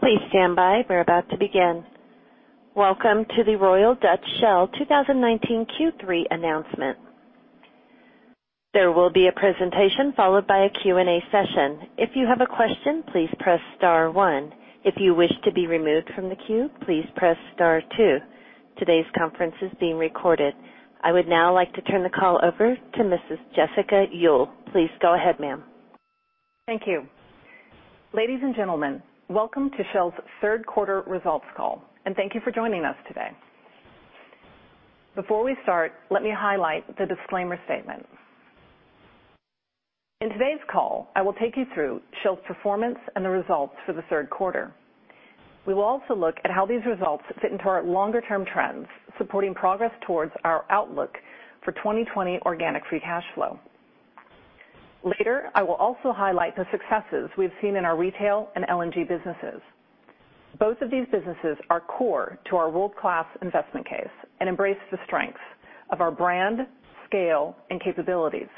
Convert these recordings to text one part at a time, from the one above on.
Please stand by. We're about to begin. Welcome to the Royal Dutch Shell 2019 Q3 announcement. There will be a presentation followed by a Q&A session. If you have a question, please press star one. If you wish to be removed from the queue, please press star two. Today's conference is being recorded. I would now like to turn the call over to Mrs. Jessica Uhl. Please go ahead, ma'am. Thank you. Ladies and gentlemen, welcome to Shell's third quarter results call, and thank you for joining us today. Before we start, let me highlight the disclaimer statement. In today's call, I will take you through Shell's performance and the results for the third quarter. We will also look at how these results fit into our longer-term trends, supporting progress towards our outlook for 2020 organic free cash flow. Later, I will also highlight the successes we've seen in our retail and LNG businesses. Both of these businesses are core to our world-class investment case and embrace the strengths of our brand, scale, and capabilities.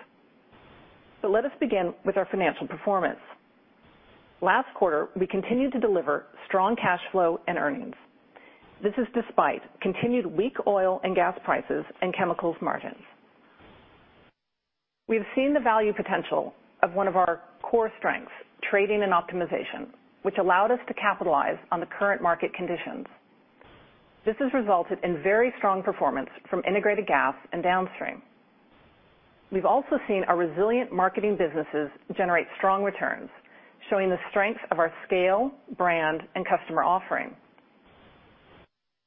Let us begin with our financial performance. Last quarter, we continued to deliver strong cash flow and earnings. This is despite continued weak oil and gas prices and chemicals margins. We have seen the value potential of one of our core strengths, trading and optimization, which allowed us to capitalize on the current market conditions. This has resulted in very strong performance from Integrated Gas and Downstream. We've also seen our resilient marketing businesses generate strong returns, showing the strengths of our scale, brand, and customer offering.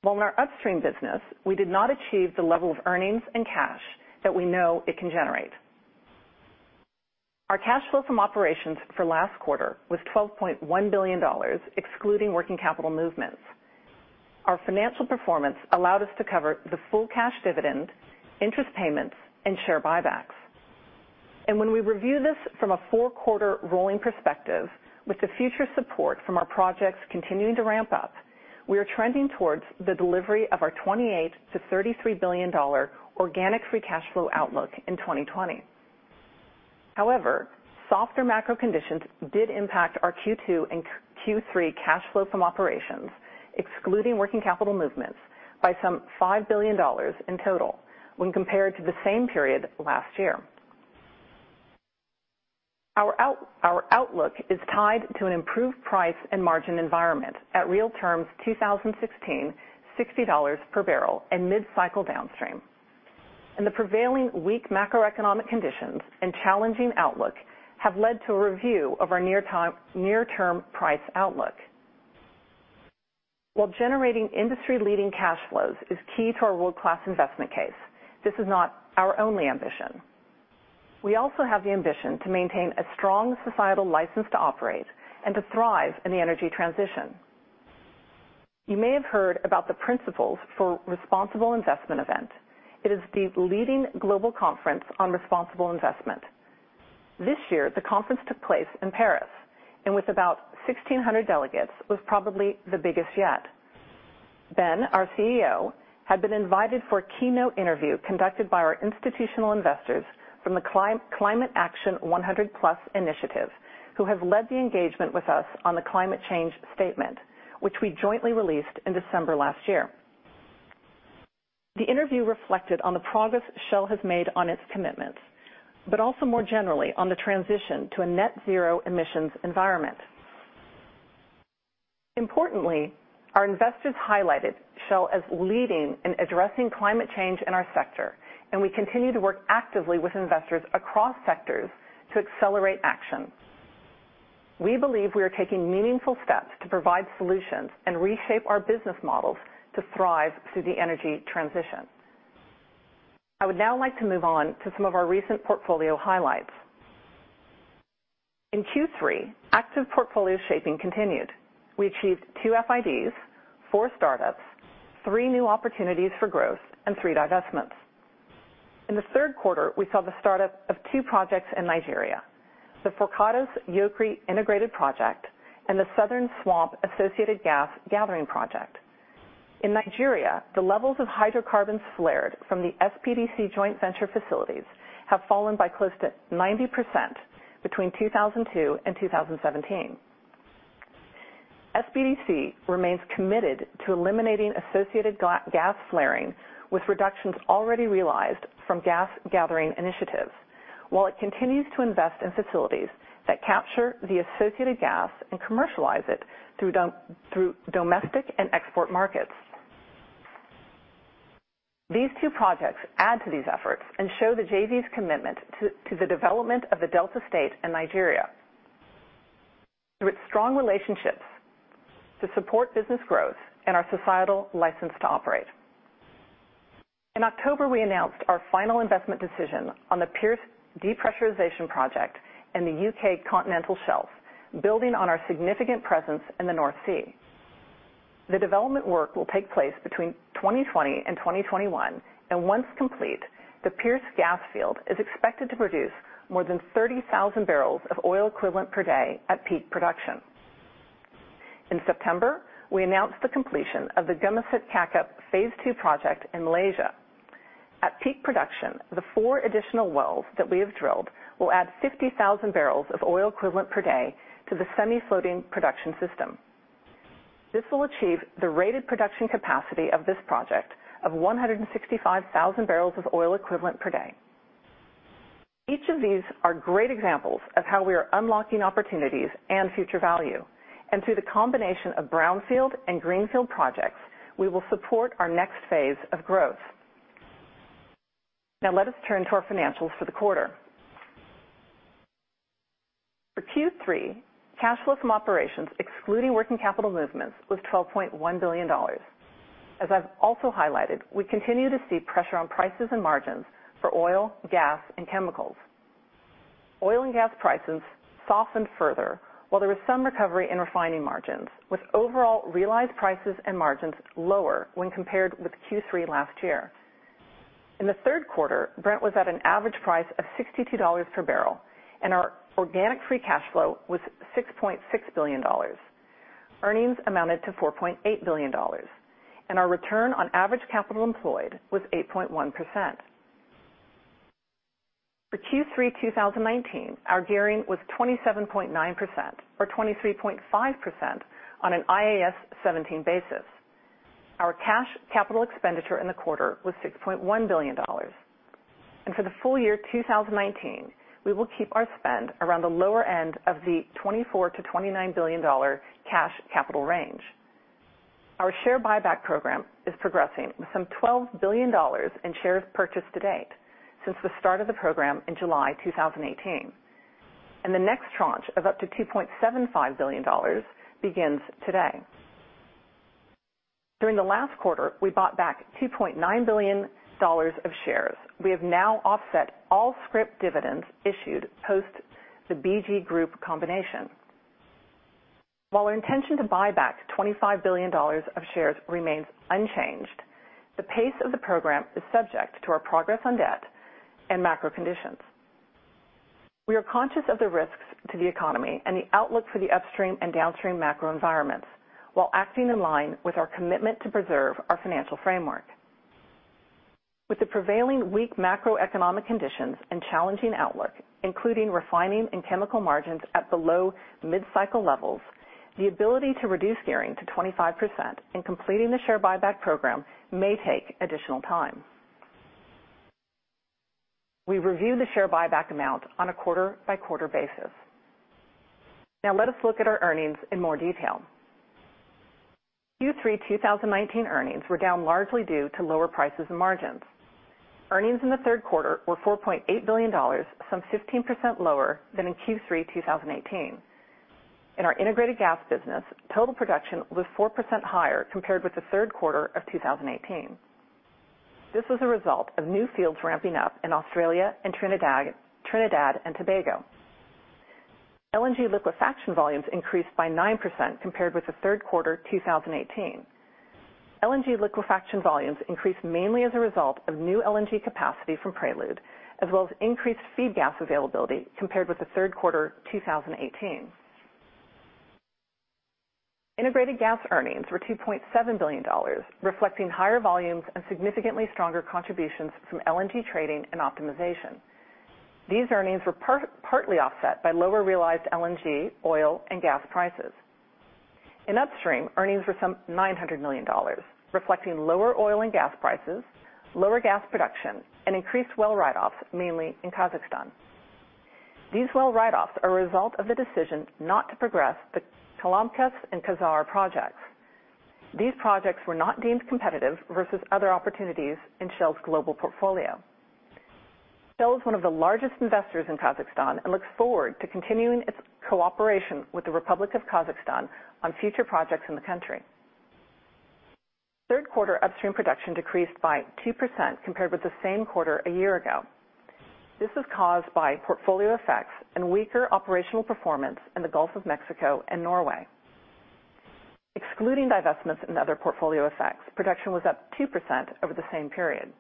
While in our Upstream business, we did not achieve the level of earnings and cash that we know it can generate. Our cash flow from operations for last quarter was $12.1 billion, excluding working capital movements. Our financial performance allowed us to cover the full cash dividend, interest payments, and share buybacks. When we review this from a four-quarter rolling perspective with the future support from our projects continuing to ramp up, we are trending towards the delivery of our $28 billion-$33 billion organic free cash flow outlook in 2020. Softer macro conditions did impact our Q2 and Q3 cash flow from operations, excluding working capital movements, by some $5 billion in total when compared to the same period last year. Our outlook is tied to an improved price and margin environment at real terms 2016, $60 per barrel and mid-cycle downstream. The prevailing weak macroeconomic conditions and challenging outlook have led to a review of our near-term price outlook. While generating industry-leading cash flows is key to our world-class investment case, this is not our only ambition. We also have the ambition to maintain a strong societal license to operate and to thrive in the energy transition. You may have heard about the Principles for Responsible Investment event. It is the leading global conference on responsible investment. This year, the conference took place in Paris, and with about 1,600 delegates, was probably the biggest yet. Ben, our CEO, had been invited for a keynote interview conducted by our institutional investors from the Climate Action 100+ initiative, who have led the engagement with us on the climate change statement, which we jointly released in December last year. The interview reflected on the progress Shell has made on its commitments, but also more generally on the transition to a net zero emissions environment. Importantly, our investors highlighted Shell as leading in addressing climate change in our sector, and we continue to work actively with investors across sectors to accelerate action. We believe we are taking meaningful steps to provide solutions and reshape our business models to thrive through the energy transition. I would now like to move on to some of our recent portfolio highlights. In Q3, active portfolio shaping continued. We achieved two FIDs, four startups, three new opportunities for growth, and three divestments. In the third quarter, we saw the startup of two projects in Nigeria, the Forcados Yokri integrated project and the Southern Swamp Associated Gas Gathering project. In Nigeria, the levels of hydrocarbons flared from the SPDC joint venture facilities have fallen by close to 90% between 2002 and 2017. SPDC remains committed to eliminating associated gas flaring with reductions already realized from gas gathering initiatives, while it continues to invest in facilities that capture the associated gas and commercialize it through domestic and export markets. These two projects add to these efforts and show the JV's commitment to the development of the Delta State in Nigeria. Through its strong relationships to support business growth and our societal license to operate. In October, we announced our final investment decision on the Pierce Depressurisation project in the U.K. Continental Shelf, building on our significant presence in the North Sea. The development work will take place between 2020 and 2021, once complete, the Pierce field is expected to produce more than 30,000 barrels of oil equivalent per day at peak production. In September, we announced the completion of the Gumusut-Kakap phase II project in Malaysia. At peak production, the four additional wells that we have drilled will add 50,000 barrels of oil equivalent per day to the semi-floating production system. This will achieve the rated production capacity of this project of 165,000 barrels of oil equivalent per day. Each of these are great examples of how we are unlocking opportunities and future value, through the combination of brownfield and greenfield projects, we will support our next phase of growth. Let us turn to our financials for the quarter. For Q3, cash flow from operations, excluding working capital movements, was $12.1 billion. As I've also highlighted, we continue to see pressure on prices and margins for oil, gas, and chemicals. Oil and gas prices softened further, while there was some recovery in refining margins, with overall realized prices and margins lower when compared with Q3 last year. In the third quarter, Brent was at an average price of $62 per barrel, and our organic free cash flow was $6.6 billion. Earnings amounted to $4.8 billion. Our return on average capital employed was 8.1%. For Q3 2019, our gearing was 27.9%, or 23.5% on an IAS 17 basis. Our cash capital expenditure in the quarter was $6.1 billion. For the full year 2019, we will keep our spend around the lower end of the $24 billion-$29 billion cash capital range. Our share buyback program is progressing with some $12 billion in shares purchased to date since the start of the program in July 2018. The next tranche of up to $2.75 billion begins today. During the last quarter, we bought back $2.9 billion of shares. We have now offset all scrip dividends issued post the BG Group combination. While our intention to buy back $25 billion of shares remains unchanged, the pace of the program is subject to our progress on debt and macro conditions. We are conscious of the risks to the economy and the outlook for the upstream and downstream macro environments while acting in line with our commitment to preserve our financial framework. With the prevailing weak macroeconomic conditions and challenging outlook, including refining and chemical margins at below mid-cycle levels, the ability to reduce gearing to 25% and completing the share buyback program may take additional time. We review the share buyback amount on a quarter-by-quarter basis. Let us look at our earnings in more detail. Q3 2019 earnings were down largely due to lower prices and margins. Earnings in the third quarter were $4.8 billion, some 15% lower than in Q3 2018. In our integrated gas business, total production was 4% higher compared with the third quarter of 2018. This was a result of new fields ramping up in Australia and Trinidad and Tobago. LNG liquefaction volumes increased by 9% compared with the third quarter 2018. LNG liquefaction volumes increased mainly as a result of new LNG capacity from Prelude, as well as increased feed gas availability compared with the third quarter 2018. Integrated gas earnings were $2.7 billion, reflecting higher volumes and significantly stronger contributions from LNG trading and optimization. These earnings were partly offset by lower realized LNG, oil, and gas prices. In upstream, earnings were some $900 million, reflecting lower oil and gas prices, lower gas production, and increased well write-offs, mainly in Kazakhstan. These well write-offs are a result of the decision not to progress the Kalamkas and Khazar projects. These projects were not deemed competitive versus other opportunities in Shell's global portfolio. Shell is one of the largest investors in Kazakhstan and looks forward to continuing its cooperation with the Republic of Kazakhstan on future projects in the country. Third quarter upstream production decreased by 2% compared with the same quarter a year ago. This was caused by portfolio effects and weaker operational performance in the Gulf of Mexico and Norway. Excluding divestments and other portfolio effects, production was up 2% over the same period.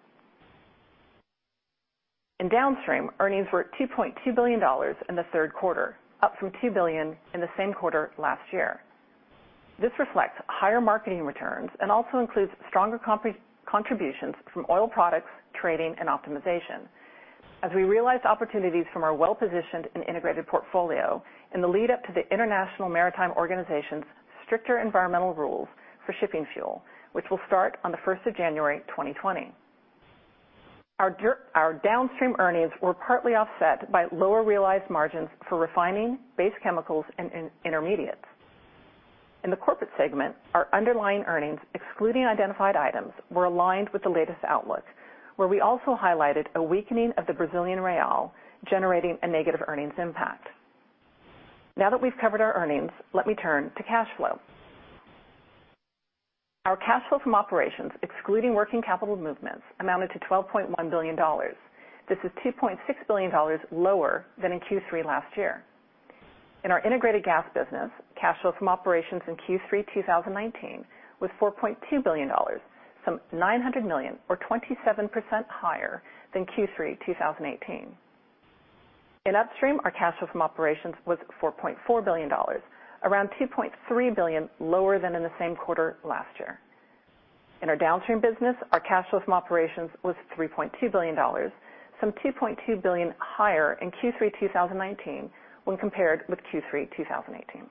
In downstream, earnings were at $2.2 billion in the third quarter, up from $2 billion in the same quarter last year. This reflects higher marketing returns and also includes stronger contributions from oil products, trading, and optimization as we realized opportunities from our well-positioned and integrated portfolio in the lead-up to the International Maritime Organization's stricter environmental rules for shipping fuel, which will start on the 1st of January 2020. Our downstream earnings were partly offset by lower realized margins for refining base chemicals and intermediates. In the corporate segment, our underlying earnings, excluding identified items, were aligned with the latest outlook, where we also highlighted a weakening of the Brazilian real, generating a negative earnings impact. Now that we've covered our earnings, let me turn to cash flow. Our cash flow from operations, excluding working capital movements, amounted to $12.1 billion. This is $2.6 billion lower than in Q3 last year. In our integrated gas business, cash flow from operations in Q3 2019 was $4.2 billion, some $900 million or 27% higher than Q3 2018. In upstream, our cash flow from operations was $4.4 billion, around $2.3 billion lower than in the same quarter last year. In our downstream business, our cash flow from operations was $3.2 billion, some $2.2 billion higher in Q3 2019 when compared with Q3 2018.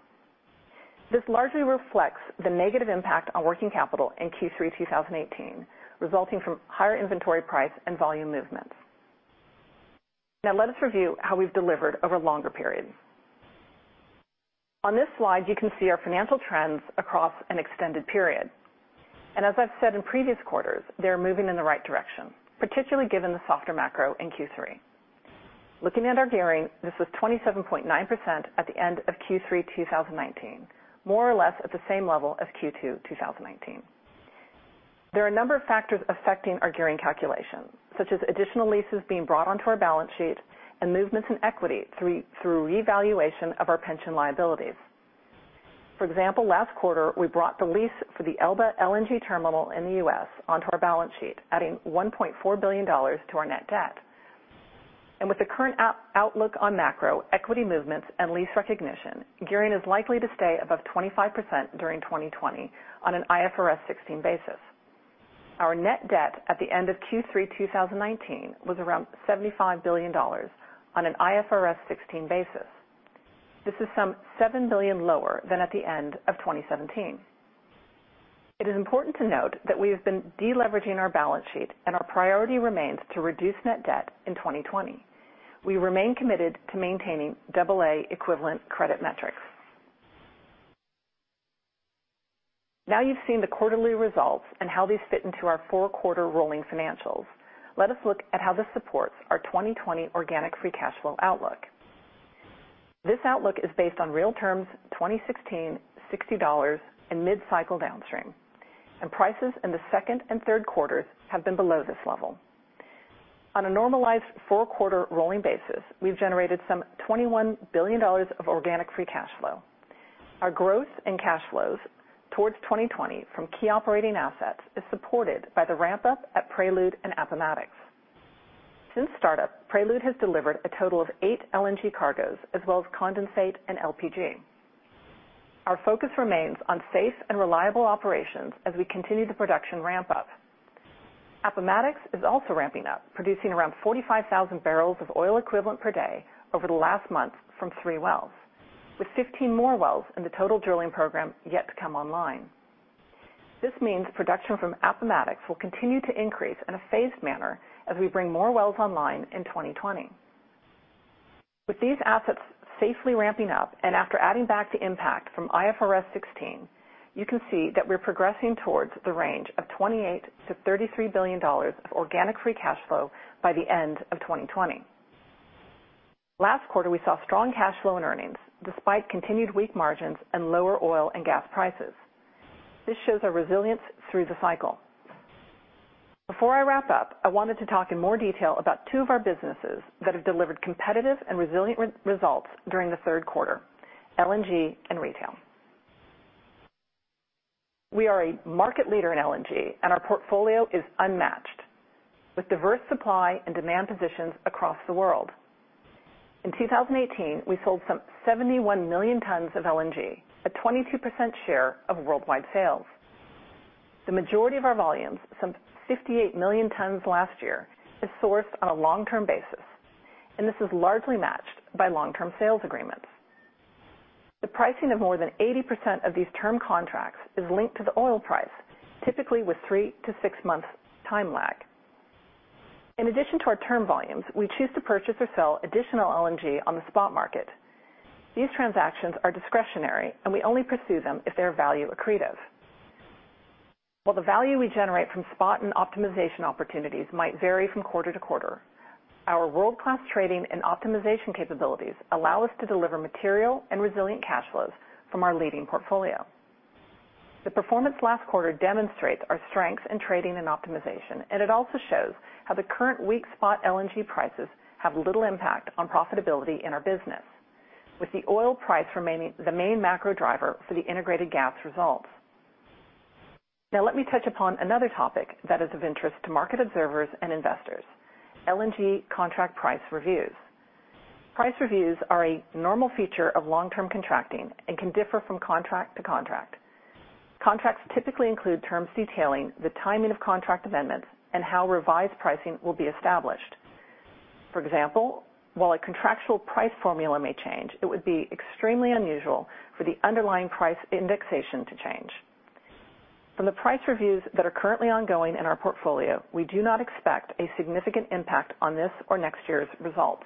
This largely reflects the negative impact on working capital in Q3 2018, resulting from higher inventory price and volume movements. Let us review how we've delivered over longer periods. On this slide, you can see our financial trends across an extended period. As I've said in previous quarters, they are moving in the right direction, particularly given the softer macro in Q3. Looking at our gearing, this was 27.9% at the end of Q3 2019, more or less at the same level as Q2 2019. There are a number of factors affecting our gearing calculation, such as additional leases being brought onto our balance sheet and movements in equity through revaluation of our pension liabilities. For example, last quarter we brought the lease for the Elba LNG terminal in the U.S. onto our balance sheet, adding $1.4 billion to our net debt. With the current outlook on macro, equity movements, and lease recognition, gearing is likely to stay above 25% during 2020 on an IFRS 16 basis. Our net debt at the end of Q3 2019 was around $75 billion on an IFRS 16 basis. This is some $7 billion lower than at the end of 2017. It is important to note that we have been de-leveraging our balance sheet, and our priority remains to reduce net debt in 2020. We remain committed to maintaining AA equivalent credit metrics. You've seen the quarterly results and how these fit into our four-quarter rolling financials. Let us look at how this supports our 2020 organic free cash flow outlook. This outlook is based on real terms 2016, $60 in mid-cycle downstream, and prices in the second and third quarters have been below this level. On a normalized four-quarter rolling basis, we've generated some $21 billion of organic free cash flow. Our growth in cash flows towards 2020 from key operating assets is supported by the ramp-up at Prelude and Appomattox. Since startup, Prelude has delivered a total of eight LNG cargoes, as well as condensate and LPG. Our focus remains on safe and reliable operations as we continue the production ramp-up. Appomattox is also ramping up, producing around 45,000 barrels of oil equivalent per day over the last month from three wells, with 15 more wells in the total drilling program yet to come online. This means production from Appomattox will continue to increase in a phased manner as we bring more wells online in 2020. With these assets safely ramping up, after adding back the impact from IFRS 16, you can see that we're progressing towards the range of $28 billion-$33 billion of organic free cash flow by the end of 2020. Last quarter, we saw strong cash flow and earnings, despite continued weak margins and lower oil and gas prices. This shows our resilience through the cycle. Before I wrap up, I wanted to talk in more detail about two of our businesses that have delivered competitive and resilient results during the third quarter, LNG and retail. We are a market leader in LNG, our portfolio is unmatched, with diverse supply and demand positions across the world. In 2018, we sold some 71 million tons of LNG, a 22% share of worldwide sales. The majority of our volumes, some 58 million tons last year is sourced on a long-term basis, and this is largely matched by long-term sales agreements. The pricing of more than 80% of these term contracts is linked to the oil price, typically with three to six months time lag. In addition to our term volumes, we choose to purchase or sell additional LNG on the spot market. These transactions are discretionary, and we only pursue them if they are value accretive. While the value we generate from spot and optimization opportunities might vary from quarter to quarter, our world-class trading and optimization capabilities allow us to deliver material and resilient cash flows from our leading portfolio. The performance last quarter demonstrates our strengths in trading and optimization, and it also shows how the current weak spot LNG prices have little impact on profitability in our business. With the oil price remaining the main macro driver for the integrated gas results. Let me touch upon another topic that is of interest to market observers and investors, LNG contract price reviews. Price reviews are a normal feature of long-term contracting and can differ from contract to contract. Contracts typically include terms detailing the timing of contract amendments and how revised pricing will be established. For example, while a contractual price formula may change, it would be extremely unusual for the underlying price indexation to change. From the price reviews that are currently ongoing in our portfolio, we do not expect a significant impact on this or next year's results.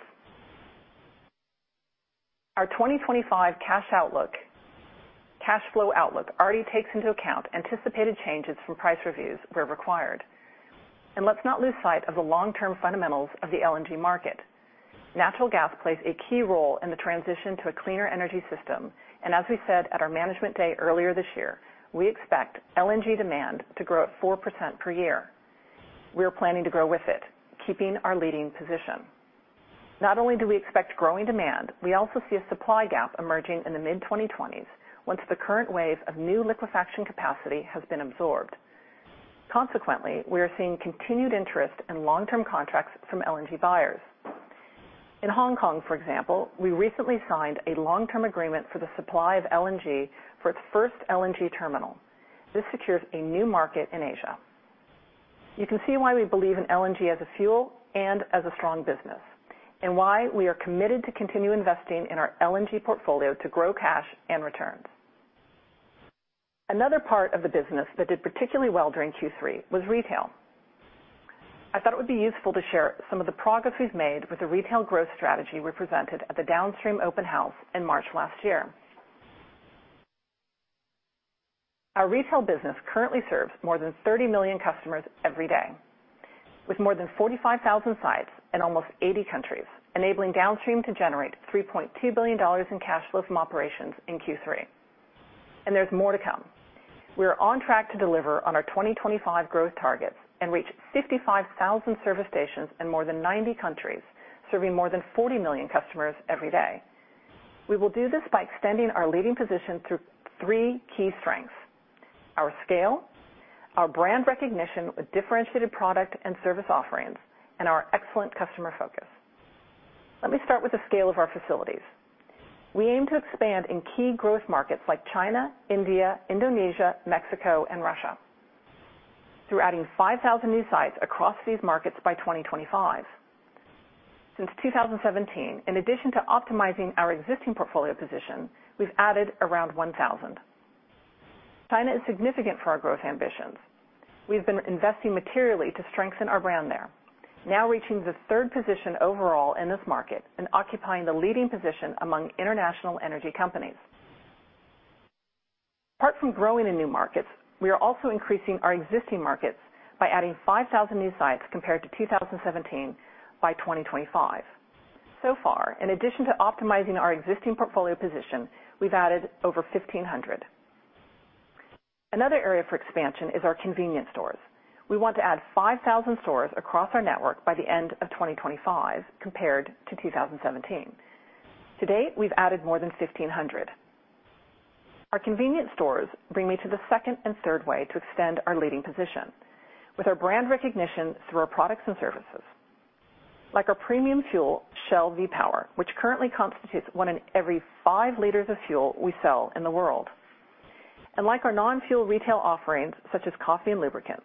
Our 2025 cash flow outlook already takes into account anticipated changes from price reviews where required. Let's not lose sight of the long-term fundamentals of the LNG market. Natural gas plays a key role in the transition to a cleaner energy system, and as we said at our Management Day earlier this year, we expect LNG demand to grow at 4% per year. We are planning to grow with it, keeping our leading position. Not only do we expect growing demand, we also see a supply gap emerging in the mid-2020s once the current wave of new liquefaction capacity has been absorbed. Consequently, we are seeing continued interest in long-term contracts from LNG buyers. In Hong Kong, for example, we recently signed a long-term agreement for the supply of LNG for its first LNG terminal. This secures a new market in Asia. You can see why we believe in LNG as a fuel and as a strong business, and why we are committed to continue investing in our LNG portfolio to grow cash and returns. Another part of the business that did particularly well during Q3 was retail. I thought it would be useful to share some of the progress we've made with the retail growth strategy we presented at the Downstream Open House in March last year. Our retail business currently serves more than 30 million customers every day, with more than 45,000 sites in almost 80 countries, enabling Downstream to generate $3.2 billion in cash flow from operations in Q3. There's more to come. We are on track to deliver on our 2025 growth targets and reach 55,000 service stations in more than 90 countries, serving more than 40 million customers every day. We will do this by extending our leading position through three key strengths, our scale, our brand recognition with differentiated product and service offerings, and our excellent customer focus. Let me start with the scale of our facilities. We aim to expand in key growth markets like China, India, Indonesia, Mexico, and Russia through adding 5,000 new sites across these markets by 2025. Since 2017, in addition to optimizing our existing portfolio position, we've added around 1,000. China is significant for our growth ambitions. We've been investing materially to strengthen our brand there, now reaching the third position overall in this market and occupying the leading position among international energy companies. Apart from growing in new markets, we are also increasing our existing markets by adding 5,000 new sites compared to 2017 by 2025. So far, in addition to optimizing our existing portfolio position, we've added over 1,500. Another area for expansion is our convenience stores. We want to add 5,000 stores across our network by the end of 2025 compared to 2017. To date, we've added more than 1,500. Our convenience stores bring me to the second and third way to extend our leading position. With our brand recognition through our products and services, like our premium fuel, Shell V-Power, which currently constitutes one in every five liters of fuel we sell in the world. Like our non-fuel retail offerings such as coffee and lubricants.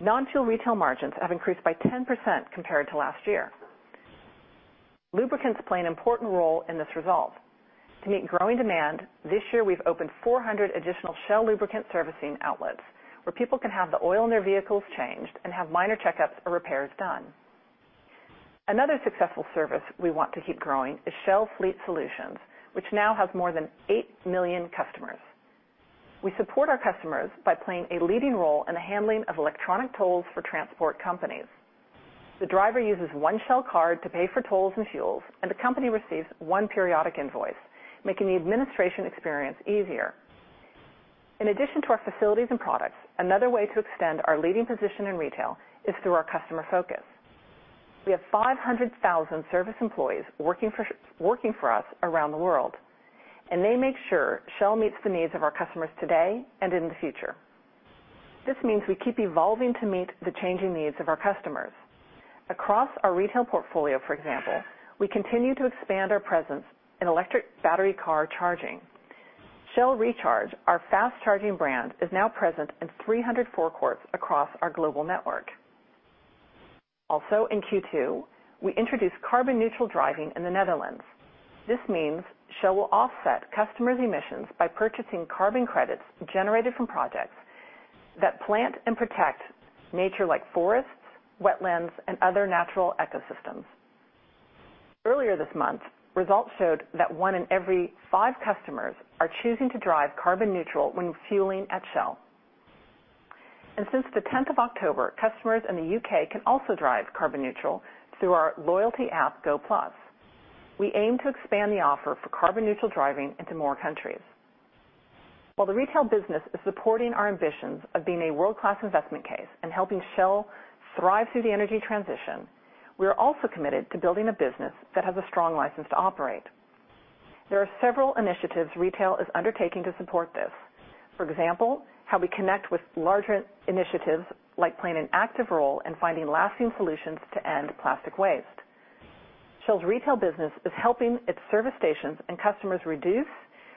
Non-fuel retail margins have increased by 10% compared to last year. Lubricants play an important role in this result. To meet growing demand, this year we've opened 400 additional Shell lubricant servicing outlets, where people can have the oil in their vehicles changed and have minor checkups or repairs done. Another successful service we want to keep growing is Shell Fleet Solutions, which now has more than 8 million customers. We support our customers by playing a leading role in the handling of electronic tolls for transport companies. The driver uses one Shell card to pay for tolls and fuels, and the company receives one periodic invoice, making the administration experience easier. In addition to our facilities and products, another way to extend our leading position in retail is through our customer focus. We have 500,000 service employees working for us around the world, and they make sure Shell meets the needs of our customers today and in the future. This means we keep evolving to meet the changing needs of our customers. Across our retail portfolio, for example, we continue to expand our presence in electric battery car charging. Shell Recharge, our fast-charging brand, is now present in 300 forecourts across our global network. Also in Q2, we introduced carbon neutral driving in the Netherlands. This means Shell will offset customers' emissions by purchasing carbon credits generated from projects that plant and protect nature like forests, wetlands, and other natural ecosystems. Earlier this month, results showed that one in every five customers are choosing to drive carbon neutral when fueling at Shell. Since the 10th of October, customers in the U.K. can also drive carbon neutral through our loyalty app, Go+. We aim to expand the offer for carbon neutral driving into more countries. While the retail business is supporting our ambitions of being a world-class investment case and helping Shell thrive through the energy transition, we are also committed to building a business that has a strong license to operate. There are several initiatives retail is undertaking to support this. For example, how we connect with larger initiatives like playing an active role in finding lasting solutions to end plastic waste. Shell's Retail business is helping its service stations and customers reduce,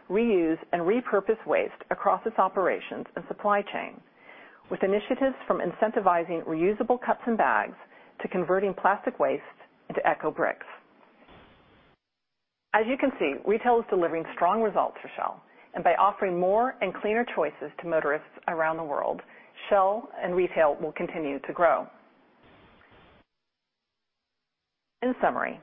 reuse, and repurpose waste across its operations and supply chain with initiatives from incentivizing reusable cups and bags to converting plastic waste into ecobricks. As you can see, Retail is delivering strong results for Shell. By offering more and cleaner choices to motorists around the world, Shell and Retail will continue to grow. In summary,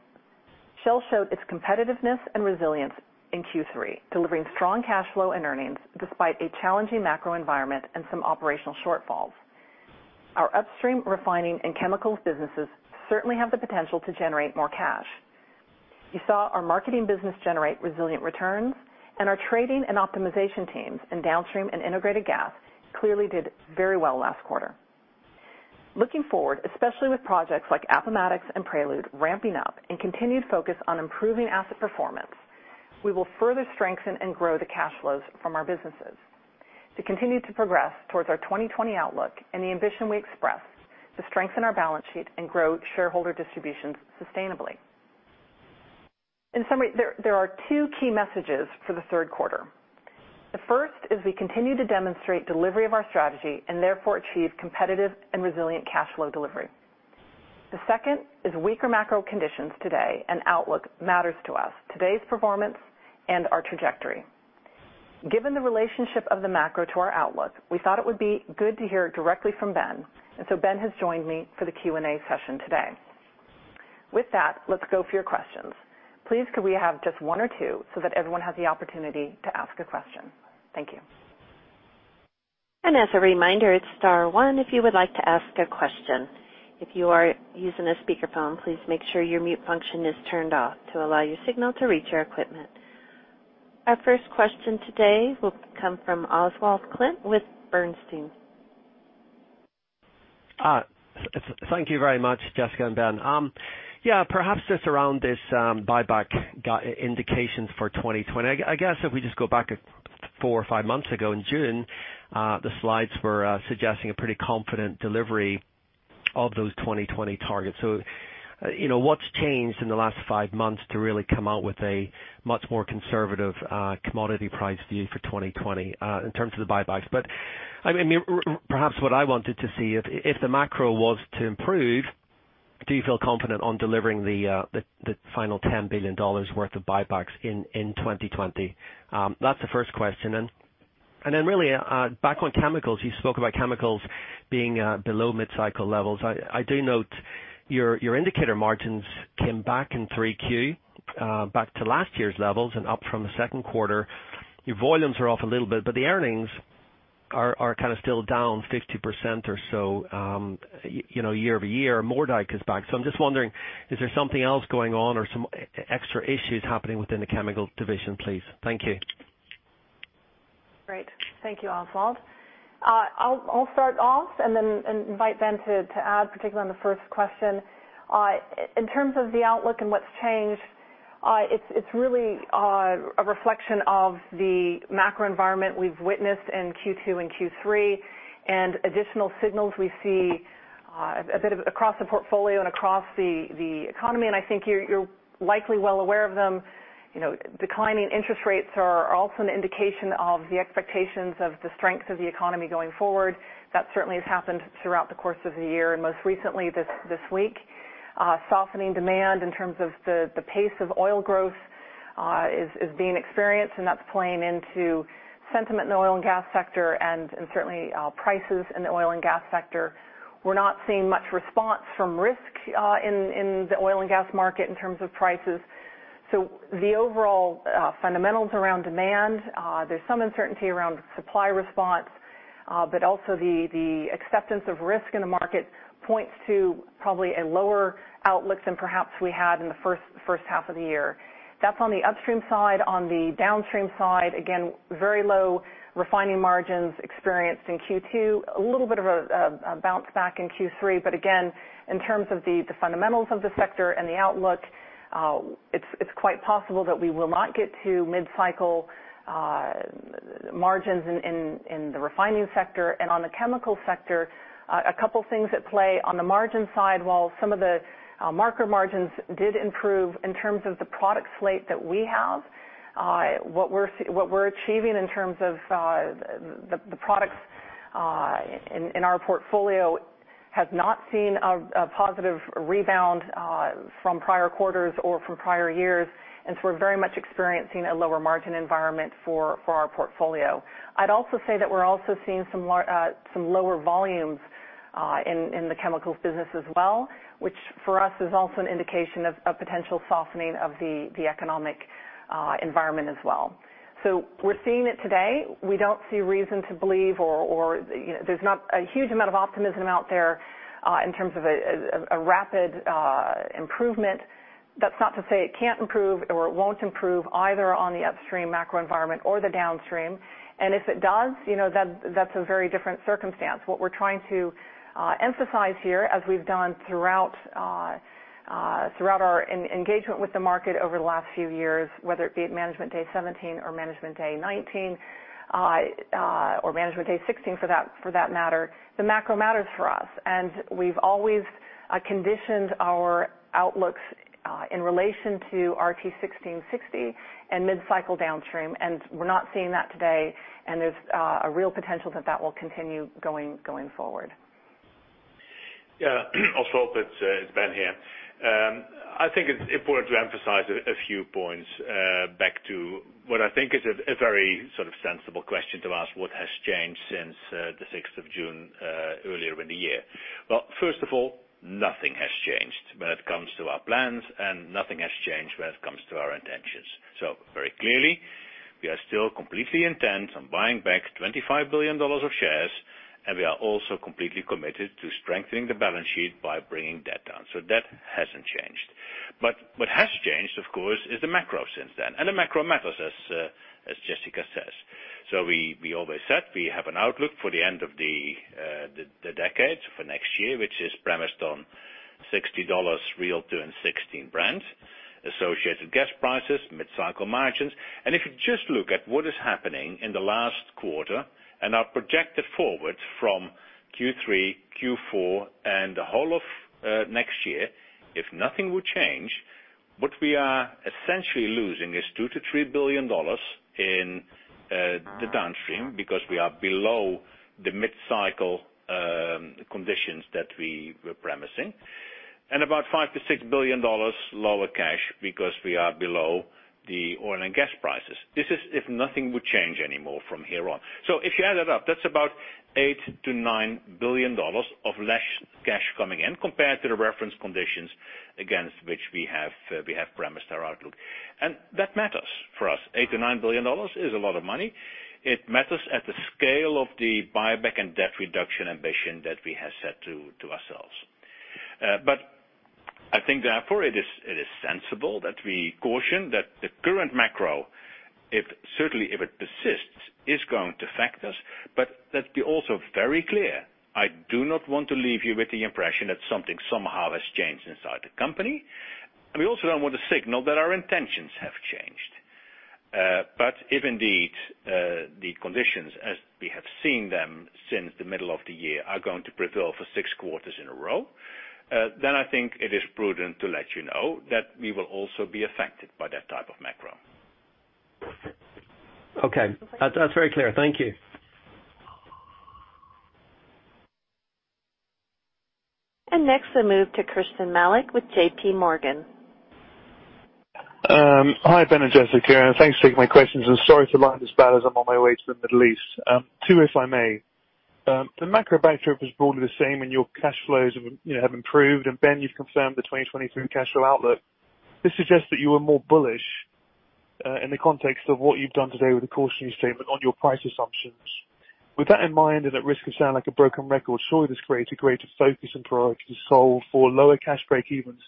Shell showed its competitiveness and resilience in Q3, delivering strong cash flow and earnings despite a challenging macro environment and some operational shortfalls. Our Upstream, Refining, and Chemicals businesses certainly have the potential to generate more cash. You saw our Marketing business generate resilient returns, and our trading and optimization teams in Downstream and Integrated Gas clearly did very well last quarter. Looking forward, especially with projects like Appomattox and Prelude ramping up and continued focus on improving asset performance, we will further strengthen and grow the cash flows from our businesses to continue to progress towards our 2020 outlook and the ambition we expressed to strengthen our balance sheet and grow shareholder distributions sustainably. In summary, there are two key messages for the third quarter. The first is we continue to demonstrate delivery of our strategy and therefore achieve competitive and resilient cash flow delivery. The second is weaker macro conditions today and outlook matters to us, today's performance and our trajectory. Given the relationship of the macro to our outlook, we thought it would be good to hear directly from Ben. Ben has joined me for the Q&A session today. With that, let's go for your questions. Please, could we have just one or two so that everyone has the opportunity to ask a question? Thank you. As a reminder, it's star one, if you would like to ask a question. If you are using a speakerphone, please make sure your mute function is turned off to allow your signal to reach our equipment. Our first question today will come from Oswald Clint with Bernstein. Thank you very much, Jessica and Ben. Just around this buyback indications for 2020. I guess if we just go back four or five months ago in June, the slides were suggesting a pretty confident delivery of those 2020 targets. What's changed in the last five months to really come out with a much more conservative commodity price view for 2020 in terms of the buybacks? What I wanted to see, if the macro was to improve, do you feel confident on delivering the final $10 billion worth of buybacks in 2020? Really back on chemicals, you spoke about chemicals being below mid-cycle levels. I do note your indicator margins came back in 3Q back to last year's levels and up from the second quarter. Your volumes are off a little bit, but the earnings are kind of still down 50% or so year-over-year. Moerdijk is back. I'm just wondering, is there something else going on or some extra issues happening within the chemical division, please? Thank you. Great. Thank you, Oswald. I will start off and then invite Ben to add, particularly on the first question. In terms of the outlook and what has changed, it is really a reflection of the macro environment we have witnessed in Q2 and Q3 and additional signals we see a bit of across the portfolio and across the economy, and I think you are likely well aware of them. Declining interest rates are also an indication of the expectations of the strength of the economy going forward. That certainly has happened throughout the course of the year and most recently this week. Softening demand in terms of the pace of oil growth is being experienced, and that is playing into sentiment in the oil and gas sector and certainly prices in the oil and gas sector. We are not seeing much response from risk in the oil and gas market in terms of prices. The overall fundamentals around demand, there's some uncertainty around supply response, but also the acceptance of risk in the market points to probably a lower outlook than perhaps we had in the first half of the year. That's on the upstream side. On the downstream side, again, very low refining margins experienced in Q2, a little bit of a bounce back in Q3. Again, in terms of the fundamentals of the sector and the outlook, it's quite possible that we will not get to mid-cycle margins in the refining sector. On the chemical sector, a couple things at play. On the margin side, while some of the marker margins did improve in terms of the product slate that we have, what we're achieving in terms of the products in our portfolio has not seen a positive rebound from prior quarters or from prior years. We're very much experiencing a lower margin environment for our portfolio. I'd also say that we're also seeing some lower volumes in the chemicals business as well, which for us is also an indication of potential softening of the economic environment as well. We're seeing it today. We don't see reason to believe or there's not a huge amount of optimism out there in terms of a rapid improvement. That's not to say it can't improve or it won't improve either on the upstream macro environment or the downstream. If it does, that's a very different circumstance. What we're trying to emphasize here, as we've done throughout our engagement with the market over the last few years, whether it be at Management Day 2017 or Management Day 2019 or Management Day 2016 for that matter, the macro matters for us. We've always conditioned our outlooks in relation to IFRS 16 and mid-cycle downstream, and we're not seeing that today, and there's a real potential that that will continue going forward. Oswald, it's Ben here. I think it's important to emphasize a few points back to what I think is a very sort of sensible question to ask, what has changed since the 6th of June earlier in the year? Well, first of all, nothing has changed when it comes to our plans, and nothing has changed when it comes to our intentions. Very clearly, we are still completely intent on buying back $25 billion of shares, and we are also completely committed to strengthening the balance sheet by bringing debt down. That hasn't changed. What has changed, of course, is the macro since then, and the macro matters, as Jessica says. We always said we have an outlook for the end of the decade, for next year, which is premised on $60 real to and $60 Brent, associated gas prices, mid-cycle margins. If you just look at what is happening in the last quarter and are projected forward from Q3, Q4, and the whole of next year, if nothing would change, what we are essentially losing is $2 billion-$3 billion in the Downstream because we are below the mid-cycle conditions that we were premising, and about $5 billion-$6 billion lower cash because we are below the oil and gas prices. This is if nothing would change anymore from here on. If you add it up, that's about $8 billion-$9 billion of less cash coming in compared to the reference conditions against which we have premised our outlook. That matters for us. $8 billion-$9 billion is a lot of money. It matters at the scale of the buyback and debt reduction ambition that we have set to ourselves. I think, therefore, it is sensible that we caution that the current macro, certainly if it persists, is going to affect us. Let's be also very clear, I do not want to leave you with the impression that something somehow has changed inside the company. We also don't want to signal that our intentions have changed. If indeed the conditions as we have seen them since the middle of the year are going to prevail for six quarters in a row, then I think it is prudent to let you know that we will also be affected by that type of macro. Okay. That's very clear. Thank you. Next we move to Christyan Malek with J.P. Morgan. Hi, Ben and Jessica. Thanks for taking my questions. Sorry for the line as bad as I'm on my way to the Middle East. Two, if I may. The macro backdrop is broadly the same and your cash flows have improved. Ben, you've confirmed the 2023 cash flow outlook. This suggests that you are more bullish in the context of what you've done today with the cautionary statement on your price assumptions. With that in mind, and at risk of sound like a broken record, surely this creates a greater focus and priority to solve for lower cash break-evens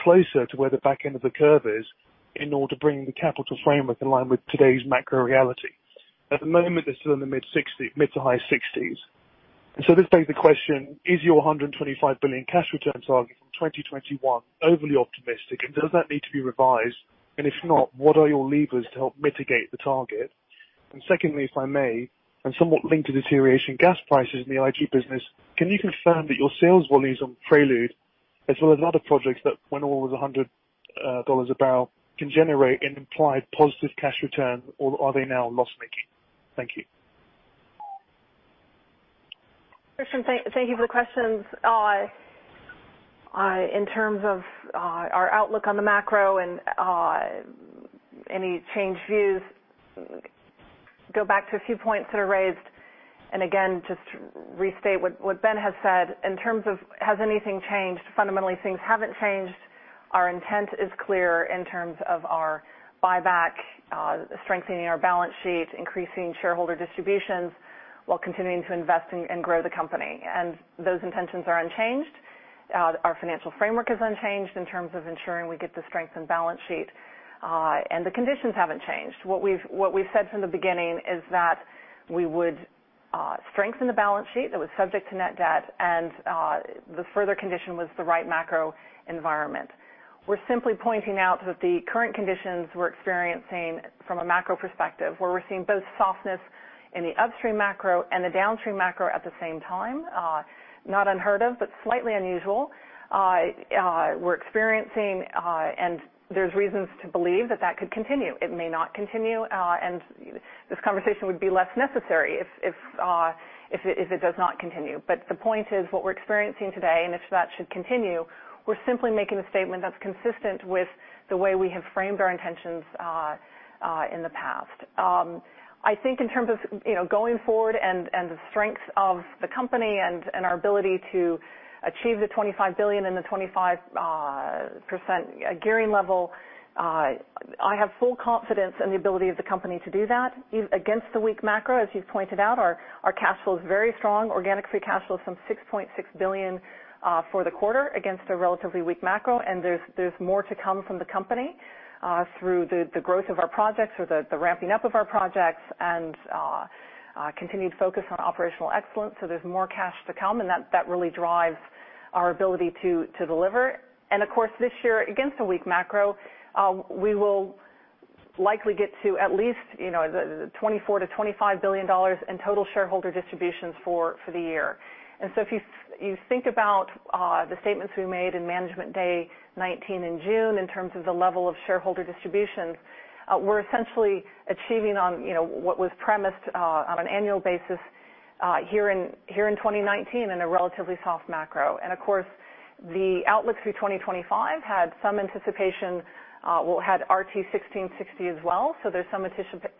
closer to where the back end of the curve is in order to bring the capital framework in line with today's macro reality. At the moment, they're still in the mid to high $60s. This begs the question is your $125 billion cash returns target from 2021 overly optimistic, and does that need to be revised? Secondly, if I may, and somewhat linked to deterioration gas prices in the IG business, can you confirm that your sales volumes on Prelude, as well as other projects that went over $100 a barrel, can generate an implied positive cash return, or are they now loss-making? Thank you. Christyan, thank you for the questions. In terms of our outlook on the macro and any changed views, go back to a few points that are raised, and again, just to restate what Ben has said, in terms of has anything changed? Fundamentally, things haven't changed. Our intent is clear in terms of our buyback, strengthening our balance sheet, increasing shareholder distributions, while continuing to invest in and grow the company. Those intentions are unchanged. Our financial framework is unchanged in terms of ensuring we get the strengthened balance sheet. The conditions haven't changed. What we've said from the beginning is that we would strengthen the balance sheet that was subject to net debt, and the further condition was the right macro environment. We're simply pointing out that the current conditions we're experiencing from a macro perspective, where we're seeing both softness in the Upstream macro and the Downstream macro at the same time, not unheard of, but slightly unusual. We're experiencing and there's reasons to believe that that could continue. It may not continue, and this conversation would be less necessary if it does not continue. The point is what we're experiencing today, and if that should continue, we're simply making a statement that's consistent with the way we have framed our intentions in the past. I think in terms of going forward and the strength of the company and our ability to achieve the $25 billion and the 25% gearing level, I have full confidence in the ability of the company to do that against the weak macro, as you've pointed out. Our cash flow is very strong. Organic free cash flow is some $6.6 billion for the quarter against a relatively weak macro. There's more to come from the company through the growth of our projects or the ramping up of our projects and continued focus on operational excellence. There's more cash to come, and that really drives our ability to deliver. Of course, this year, against a weak macro, we will likely get to at least $24 billion-$25 billion in total shareholder distributions for the year. If you think about the statements we made in Management Day 2019 in June in terms of the level of shareholder distributions, we're essentially achieving on what was premised on an annual basis here in 2019 in a relatively soft macro. Of course, the outlook through 2025 had some anticipation, well, had RT16 $60 as well. There's some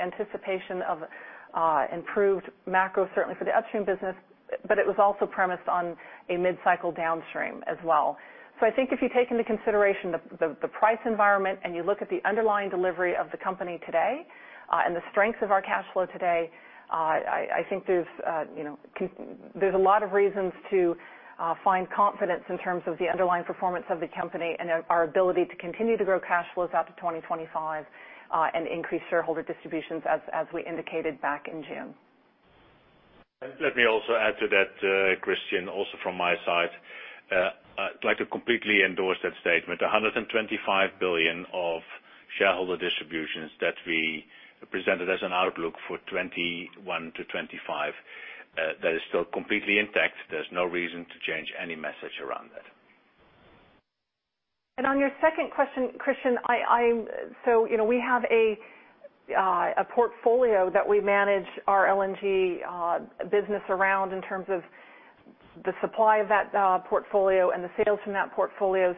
anticipation of improved macro, certainly for the Upstream business, but it was also premised on a mid-cycle Downstream as well. I think if you take into consideration the price environment and you look at the underlying delivery of the company today, and the strengths of our cash flow today, I think there's a lot of reasons to find confidence in terms of the underlying performance of the company and our ability to continue to grow cash flows out to 2025, and increase shareholder distributions as we indicated back in June. Let me also add to that, Christyan, also from my side. I'd like to completely endorse that statement. $125 billion of shareholder distributions that we presented as an outlook for 2021-2025, that is still completely intact. There's no reason to change any message around that. On your second question, Christyan, we have a portfolio that we manage our LNG business around in terms of the supply of that portfolio and the sales from that portfolio.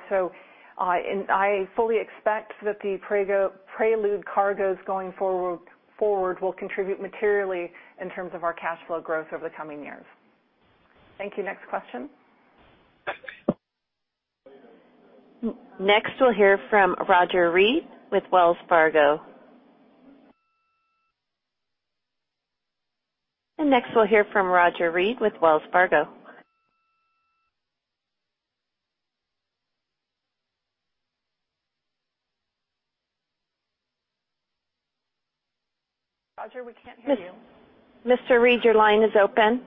I fully expect that the Prelude cargoes going forward will contribute materially in terms of our cash flow growth over the coming years. Thank you. Next question. Next, we'll hear from Roger Read with Wells Fargo. Roger, we can't hear you. Mr. Read, your line is open.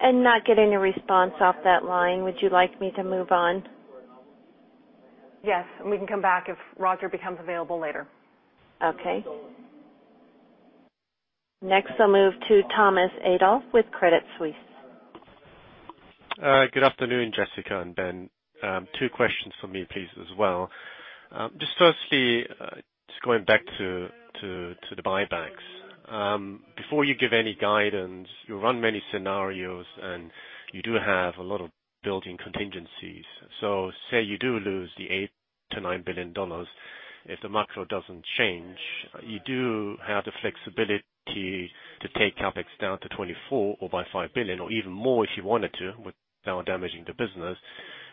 I'm not getting a response off that line. Would you like me to move on? Yes, and we can come back if Roger becomes available later. Okay. Next, I'll move to Thomas Adolff with Credit Suisse. Good afternoon, Jessica and Ben. Two questions from me, please, as well. Just firstly, just going back to the buybacks. Before you give any guidance, you run many scenarios, and you do have a lot of built-in contingencies. Say you do lose the $8 billion-$9 billion, if the macro doesn't change, you do have the flexibility to take CapEx down to $24 billion or by $5 billion, or even more if you wanted to, without damaging the business.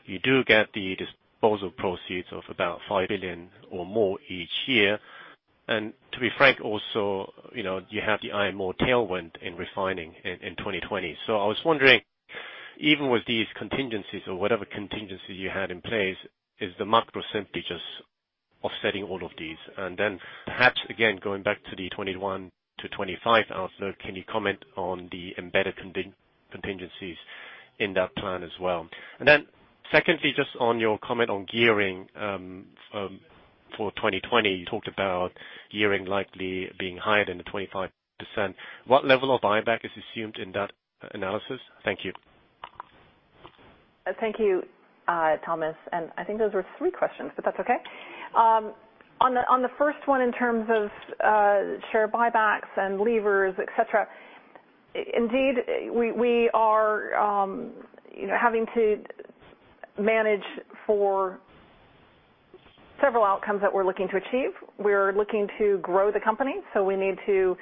You do get the disposal proceeds of about $5 billion or more each year. To be frank, also, you have the IMO tailwind in refining in 2020. I was wondering, even with these contingencies or whatever contingencies you had in place, is the macro simply just offsetting all of these? Perhaps, again, going back to the 2021 to 2025 outlook, can you comment on the embedded contingencies in that plan as well? Secondly, just on your comment on gearing for 2020, you talked about gearing likely being higher than the 25%. What level of buyback is assumed in that analysis? Thank you. Thank you, Thomas. I think those were three questions, that's okay. On the first one, in terms of share buybacks and levers, et cetera, indeed, we are having to manage for several outcomes that we're looking to achieve. We're looking to grow the company, we need to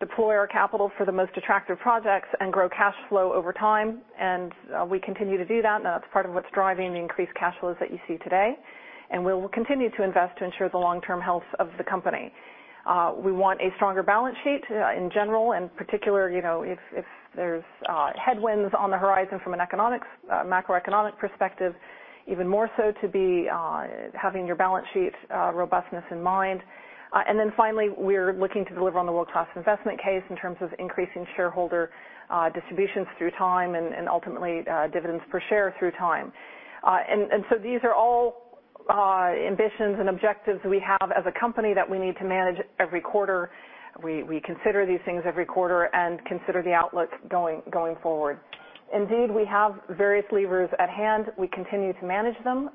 deploy our capital for the most attractive projects and grow cash flow over time. We continue to do that's part of what's driving the increased cash flows that you see today. We will continue to invest to ensure the long-term health of the company. We want a stronger balance sheet in general. In particular, if there's headwinds on the horizon from a macroeconomic perspective, even more so to be having your balance sheet robustness in mind. Finally, we're looking to deliver on the world-class investment case in terms of increasing shareholder distributions through time and ultimately dividends per share through time. These are all ambitions and objectives we have as a company that we need to manage every quarter. We consider these things every quarter and consider the outlook going forward. We have various levers at hand. We continue to manage them.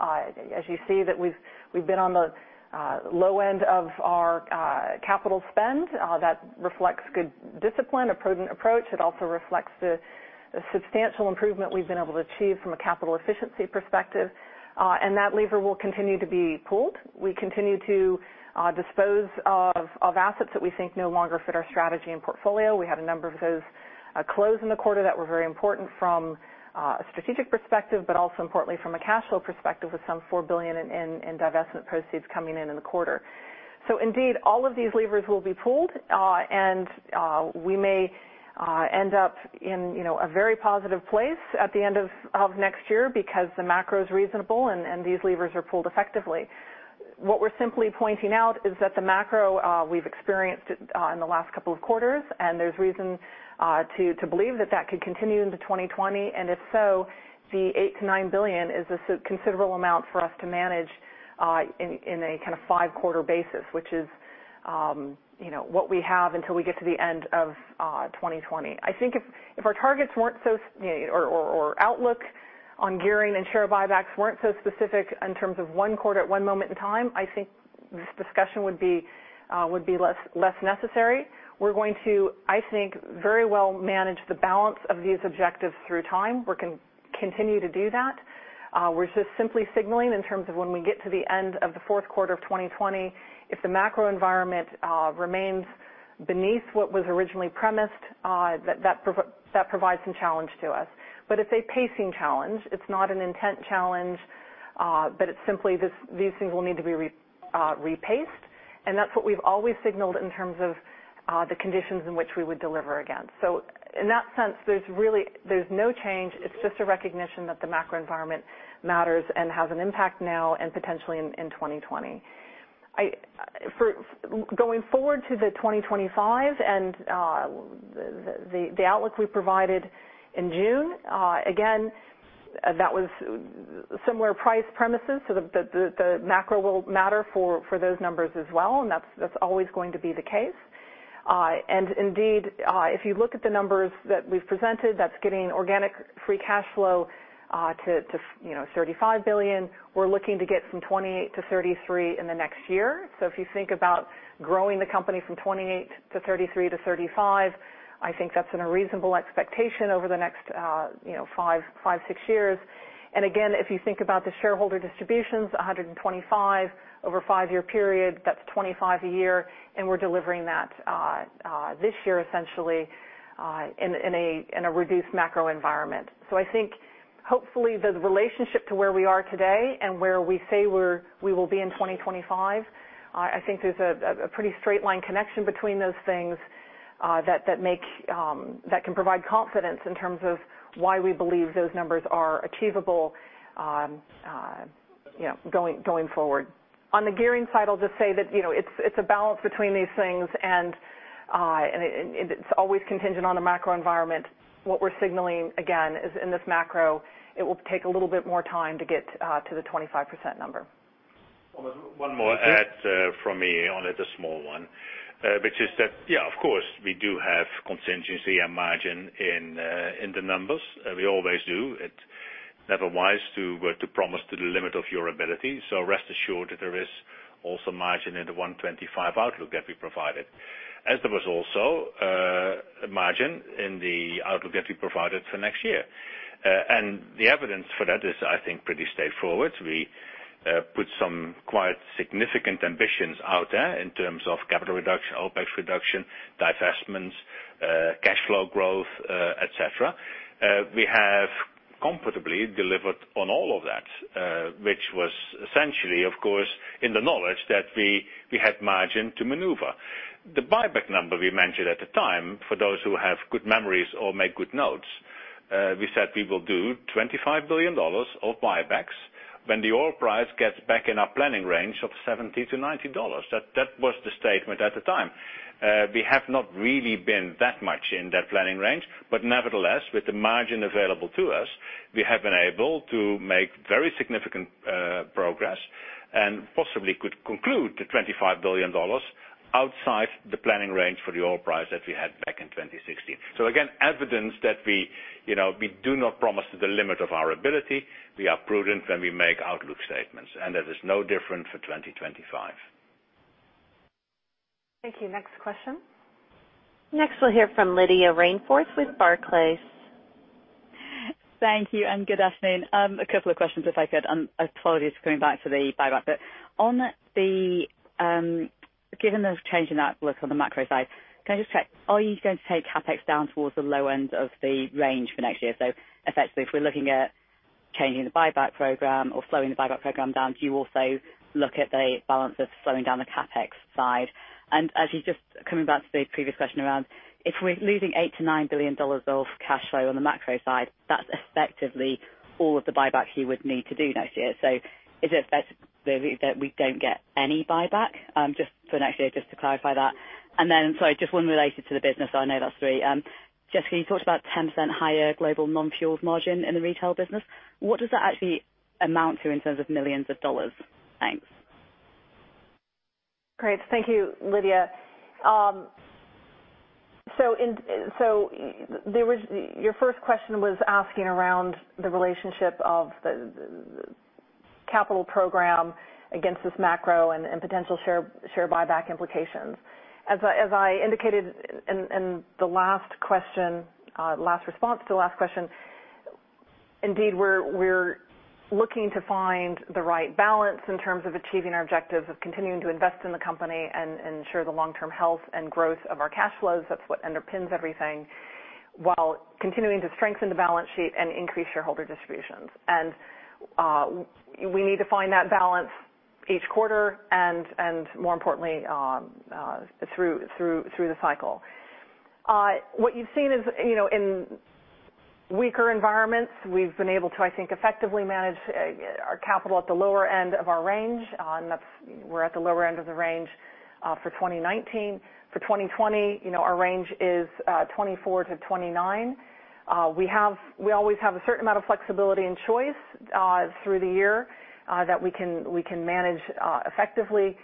As you see that we've been on the low end of our capital spend. That reflects good discipline, a prudent approach. It also reflects the substantial improvement we've been able to achieve from a capital efficiency perspective. That lever will continue to be pulled. We continue to dispose of assets that we think no longer fit our strategy and portfolio. We had a number of those close in the quarter that were very important from a strategic perspective, also importantly from a cash flow perspective with some $4 billion in divestment proceeds coming in in the quarter. Indeed, all of these levers will be pulled, we may end up in a very positive place at the end of next year because the macro is reasonable, and these levers are pulled effectively. What we're simply pointing out is that the macro, we've experienced it in the last couple of quarters, there's reason to believe that that could continue into 2020, if so, the $8 billion-$9 billion is a considerable amount for us to manage in a kind of five-quarter basis, which is what we have until we get to the end of 2020. I think if our targets or outlook on gearing and share buybacks weren't so specific in terms of one quarter at one moment in time, I think this discussion would be less necessary. We're going to, I think, very well manage the balance of these objectives through time. We're continue to do that. We're just simply signaling in terms of when we get to the end of the fourth quarter of 2020, if the macro environment remains beneath what was originally premised, that provides some challenge to us. It's a pacing challenge. It's not an intent challenge. It's simply these things will need to be repaced, and that's what we've always signaled in terms of the conditions in which we would deliver against. In that sense, there's no change. It's just a recognition that the macro environment matters and has an impact now and potentially in 2020. Going forward to 2025 and the outlook we provided in June, that was similar price premises. The macro will matter for those numbers as well, and that's always going to be the case. If you look at the numbers that we've presented, that's getting organic free cash flow to $35 billion. We're looking to get from $28 billion to $33 billion in the next year. If you think about growing the company from $28 billion-$33 billion-$35 billion, I think that's in a reasonable expectation over the next five, six years. If you think about the shareholder distributions, $125 billion over a five-year period, that's $25 billion a year, and we're delivering that this year essentially in a reduced macro environment. I think hopefully the relationship to where we are today and where we say we will be in 2025, I think there's a pretty straight line connection between those things that can provide confidence in terms of why we believe those numbers are achievable going forward. On the gearing side, I'll just say that it's a balance between these things, and it's always contingent on the macro environment. What we're signaling, again, is in this macro, it will take a little bit more time to get to the 25% number. One more add from me on it, a small one. Of course, we do have contingency and margin in the numbers. We always do. It is never wise to promise to the limit of your ability. Rest assured that there is also margin in the 125 outlook that we provided, as there was also a margin in the outlook that we provided for next year. The evidence for that is, I think, pretty straightforward. We put some quite significant ambitions out there in terms of capital reduction, OpEx reduction, divestments, cash flow growth, et cetera. We have comfortably delivered on all of that, which was essentially, of course, in the knowledge that we had margin to maneuver. The buyback number we mentioned at the time, for those who have good memories or make good notes, we said we will do $25 billion of buybacks when the oil price gets back in our planning range of $70-$90. That was the statement at the time. Nevertheless, with the margin available to us, we have been able to make very significant progress and possibly could conclude the $25 billion outside the planning range for the oil price that we had back in 2016. Again, evidence that we do not promise to the limit of our ability. We are prudent when we make outlook statements, and that is no different for 2025. Thank you. Next question. Next we'll hear from Lydia Rainforth with Barclays. Thank you, and good afternoon. A couple of questions if I could. Apologies for coming back to the buyback bit. Given those changing outlooks on the macro side, can I just check, are you going to take CapEx down towards the low end of the range for next year? Effectively, if we're looking at changing the buyback program or slowing the buyback program down, do you also look at the balance of slowing down the CapEx side? As you just coming back to the previous question around if we're losing $8 billion-$9 billion of cash flow on the macro side, that's effectively all of the buybacks you would need to do next year. Is it effective that we don't get any buyback for next year? Just to clarify that. Sorry, just one related to the business. I know that's three. Jessica, you talked about 10% higher global non-fuels margin in the retail business. What does that actually amount to in terms of millions of dollars? Thanks. Great. Thank you, Lydia. Your first question was asking around the relationship of the capital program against this macro and potential share buyback implications. As I indicated in the last response to the last question, indeed, we're looking to find the right balance in terms of achieving our objectives of continuing to invest in the company and ensure the long-term health and growth of our cash flows. That's what underpins everything, while continuing to strengthen the balance sheet and increase shareholder distributions. We need to find that balance each quarter and more importantly, through the cycle. What you've seen is in weaker environments, we've been able to, I think, effectively manage our capital at the lower end of our range. We're at the lower end of the range for 2019. For 2020, our range is $24-$29. We always have a certain amount of flexibility and choice through the year that we can manage effectively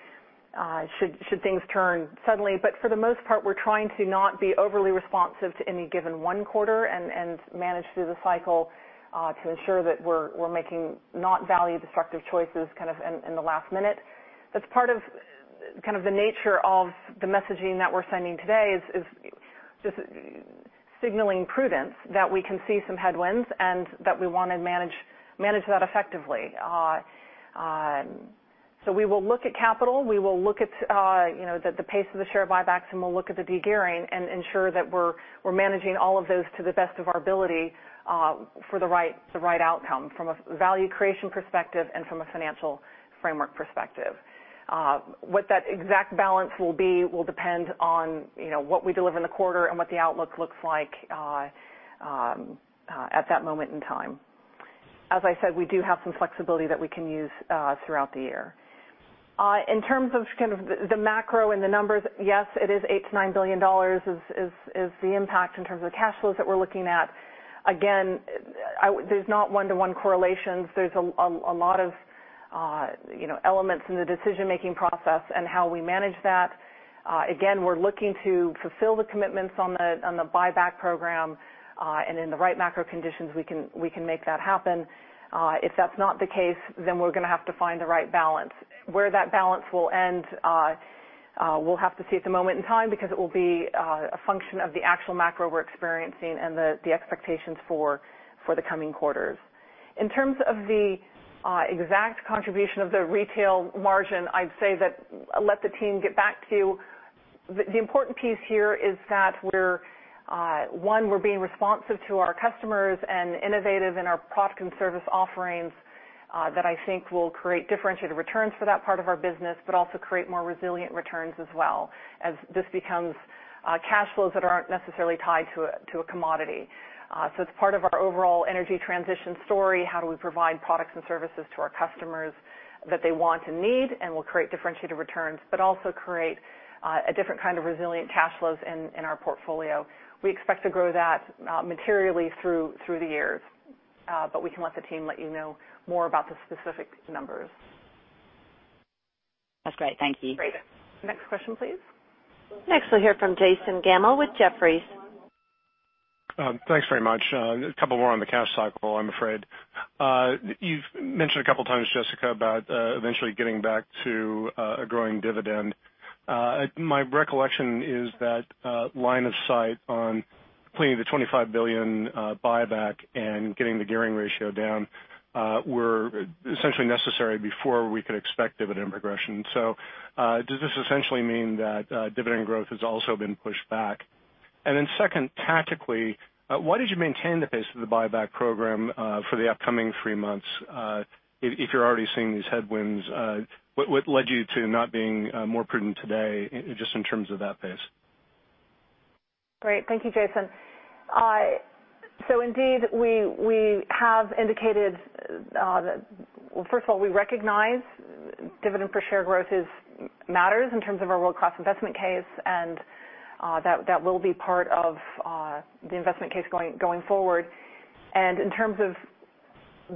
should things turn suddenly. For the most part, we're trying to not be overly responsive to any given one quarter and manage through the cycle to ensure that we're making not value-destructive choices kind of in the last minute. That's part of kind of the nature of the messaging that we're sending today is just signaling prudence that we can see some headwinds and that we want to manage that effectively. We will look at capital, we will look at the pace of the share buybacks, and we'll look at the de-gearing and ensure that we're managing all of those to the best of our ability for the right outcome from a value creation perspective and from a financial framework perspective. What that exact balance will be will depend on what we deliver in the quarter and what the outlook looks like at that moment in time. As I said, we do have some flexibility that we can use throughout the year. In terms of kind of the macro and the numbers, yes, it is $8 billion-$9 billion is the impact in terms of the cash flows that we're looking at. Again, there's not one-to-one correlations. There's a lot of elements in the decision-making process and how we manage that. Again, we're looking to fulfill the commitments on the buyback program. In the right macro conditions, we can make that happen. If that's not the case, then we're going to have to find the right balance. Where that balance will end, we'll have to see at the moment in time, because it will be a function of the actual macro we're experiencing and the expectations for the coming quarters. In terms of the exact contribution of the retail margin, I'd say that let the team get back to you. The important piece here is that, one, we're being responsive to our customers and innovative in our product and service offerings that I think will create differentiated returns for that part of our business, but also create more resilient returns as well as this becomes cash flows that aren't necessarily tied to a commodity. It's part of our overall energy transition story, how do we provide products and services to our customers that they want and need, and will create differentiated returns, but also create a different kind of resilient cash flows in our portfolio. We expect to grow that materially through the years. We can let the team let you know more about the specific numbers. That's great. Thank you. Great. Next question, please. Next, we'll hear from Jason Gammel with Jefferies. Thanks very much. A couple more on the cash cycle, I'm afraid. You've mentioned a couple of times, Jessica, about eventually getting back to a growing dividend. My recollection is that line of sight on completing the $25 billion buyback and getting the gearing ratio down were essentially necessary before we could expect dividend progression. Does this essentially mean that dividend growth has also been pushed back? Second, tactically, why did you maintain the pace of the buyback program for the upcoming three months if you're already seeing these headwinds? What led you to not being more prudent today, just in terms of that pace? Great. Thank you, Jason. Indeed, we have indicated that, well, first of all, we recognize dividend per share growth matters in terms of our world-class investment case. That will be part of the investment case going forward. In terms of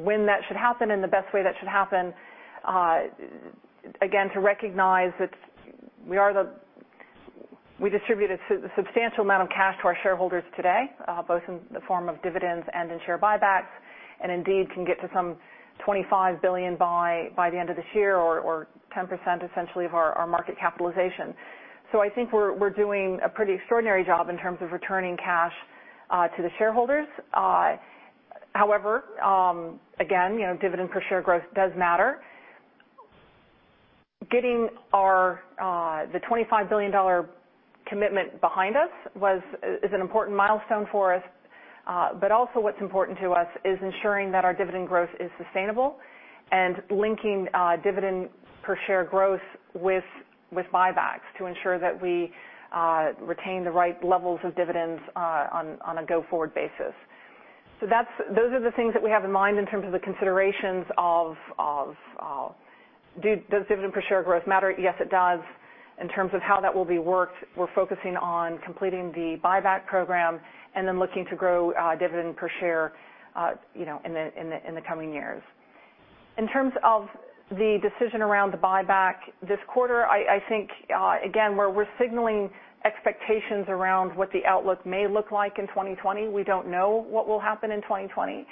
when that should happen and the best way that should happen, again, to recognize that we distribute a substantial amount of cash to our shareholders today, both in the form of dividends and in share buybacks. Indeed, can get to some $25 billion by the end of this year or 10%, essentially, of our market capitalization. I think we're doing a pretty extraordinary job in terms of returning cash to the shareholders. However, again, dividend per share growth does matter. Getting the $25 billion commitment behind us is an important milestone for us. Also what's important to us is ensuring that our dividend growth is sustainable and linking dividend per share growth with buybacks to ensure that we retain the right levels of dividends on a go-forward basis. Those are the things that we have in mind in terms of the considerations of, does dividend per share growth matter? Yes, it does. How that will be worked, we're focusing on completing the buyback program and then looking to grow dividend per share in the coming years. The decision around the buyback this quarter, I think, again, we're signaling expectations around what the outlook may look like in 2020. We don't know what will happen in 2020.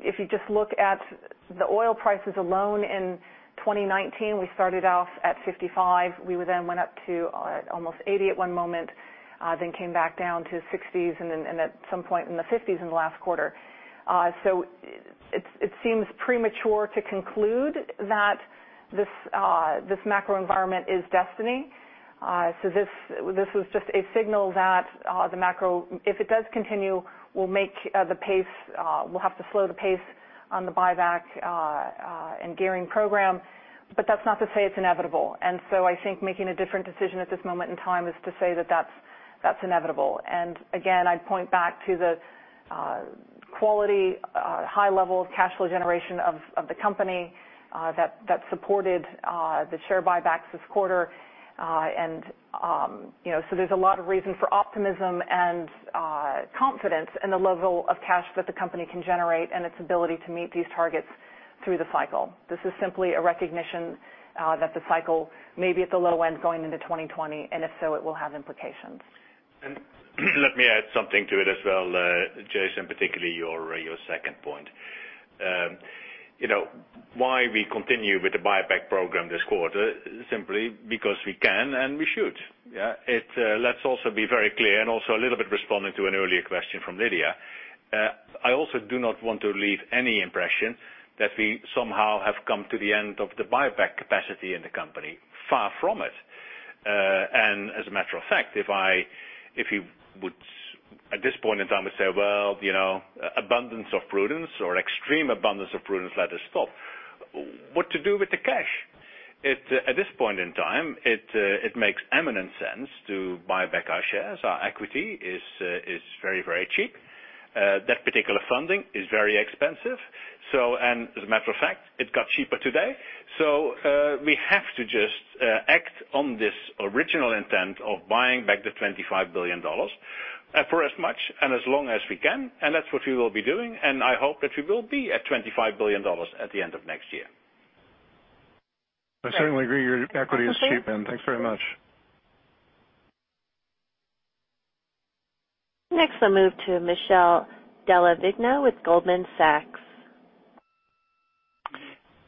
If you just look at the oil prices alone in 2019, we started off at $55. We went up to almost 80 at one moment, came back down to 60s and at some point in the 50s in the last quarter. It seems premature to conclude that this macro environment is destiny. This was just a signal that the macro, if it does continue, we'll have to slow the pace on the buyback and gearing program. That's not to say it's inevitable. I think making a different decision at this moment in time is to say that that's inevitable. Again, I'd point back to the quality, high level of cash flow generation of the company that supported the share buybacks this quarter. There's a lot of reason for optimism and confidence in the level of cash that the company can generate and its ability to meet these targets through the cycle. This is simply a recognition that the cycle may be at the low end going into 2020, and if so, it will have implications. Let me add something to it as well, Jason, particularly your second point. Why we continue with the buyback program this quarter, simply because we can and we should. Let's also be very clear and also a little bit responding to an earlier question from Lydia. I also do not want to leave any impression that we somehow have come to the end of the buyback capacity in the company. Far from it. As a matter of fact, if you would at this point in time say, well, abundance of prudence or extreme abundance of prudence, let us stop. What to do with the cash? At this point in time, it makes eminent sense to buy back our shares. Our equity is very cheap. That particular funding is very expensive. As a matter of fact, it got cheaper today. We have to just act on this original intent of buying back the $25 billion for as much and as long as we can, and that's what we will be doing, and I hope that we will be at $25 billion at the end of next year. I certainly agree your equity is cheap, Ben. Thanks very much. Next, I'll move to Michele Della Vigna with Goldman Sachs.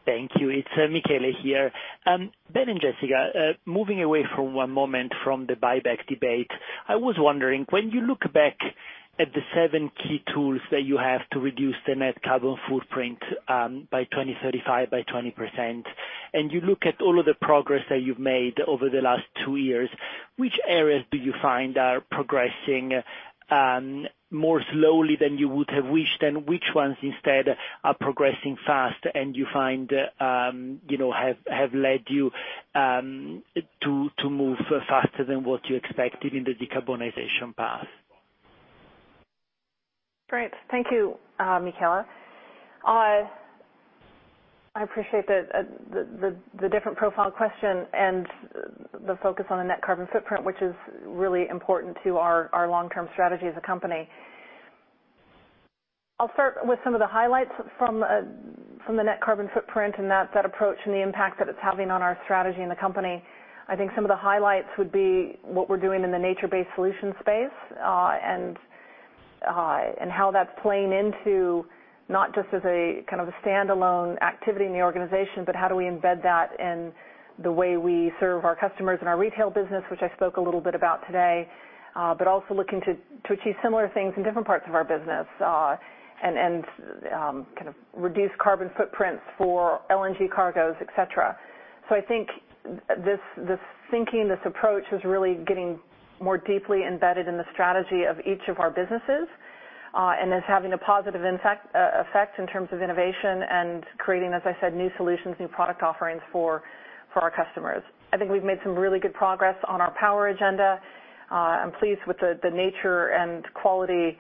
Thank you. It's Michele here. Ben and Jessica, moving away for one moment from the buyback debate. I was wondering, when you look back at the seven key tools that you have to reduce the net carbon footprint by 2035 by 20%, and you look at all of the progress that you've made over the last two years, which areas do you find are progressing more slowly than you would have wished? Which ones instead are progressing fast, and you find have led you to move faster than what you expected in the decarbonization path? Great. Thank you, Michele. I appreciate the different profile question and the focus on the net carbon footprint, which is really important to our long-term strategy as a company. I'll start with some of the highlights from the net carbon footprint and that approach and the impact that it's having on our strategy in the company. I think some of the highlights would be what we're doing in the nature-based solution space, and how that's playing into not just as a standalone activity in the organization, but how do we embed that in the way we serve our customers in our retail business, which I spoke a little bit about today. Also looking to achieve similar things in different parts of our business, and reduce carbon footprints for LNG cargoes, et cetera. I think this thinking, this approach is really getting more deeply embedded in the strategy of each of our businesses, and is having a positive effect in terms of innovation and creating, as I said, new solutions, new product offerings for our customers. I think we've made some really good progress on our power agenda. I'm pleased with the nature and quality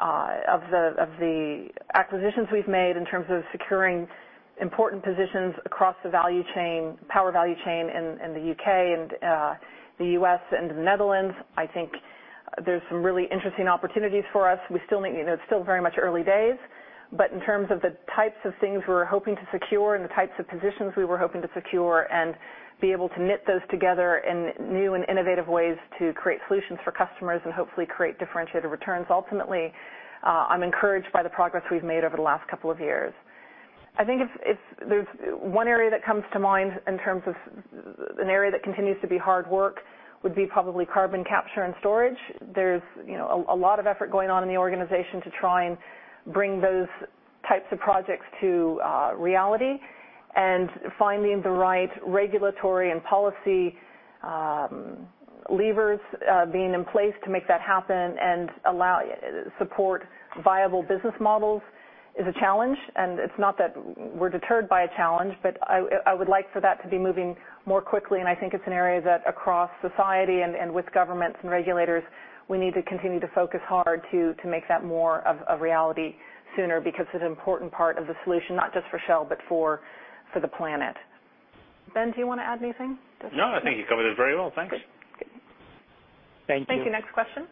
of the acquisitions we've made in terms of securing important positions across the power value chain in the U.K. and the U.S. and the Netherlands. I think there's some really interesting opportunities for us. It's still very much early days, but in terms of the types of things we're hoping to secure and the types of positions we were hoping to secure and be able to knit those together in new and innovative ways to create solutions for customers and hopefully create differentiated returns ultimately, I'm encouraged by the progress we've made over the last couple of years. I think if there's one area that comes to mind in terms of an area that continues to be hard work would be probably carbon capture and storage. There's a lot of effort going on in the organization to try and bring those types of projects to reality and finding the right regulatory and policy levers being in place to make that happen and support viable business models is a challenge. It's not that we're deterred by a challenge, but I would like for that to be moving more quickly, and I think it's an area that across society and with governments and regulators, we need to continue to focus hard to make that more of a reality sooner because it's an important part of the solution, not just for Shell, but for the planet. Ben, do you want to add anything? No, I think you covered it very well. Thanks. Good. Thank you. Thank you. Next question?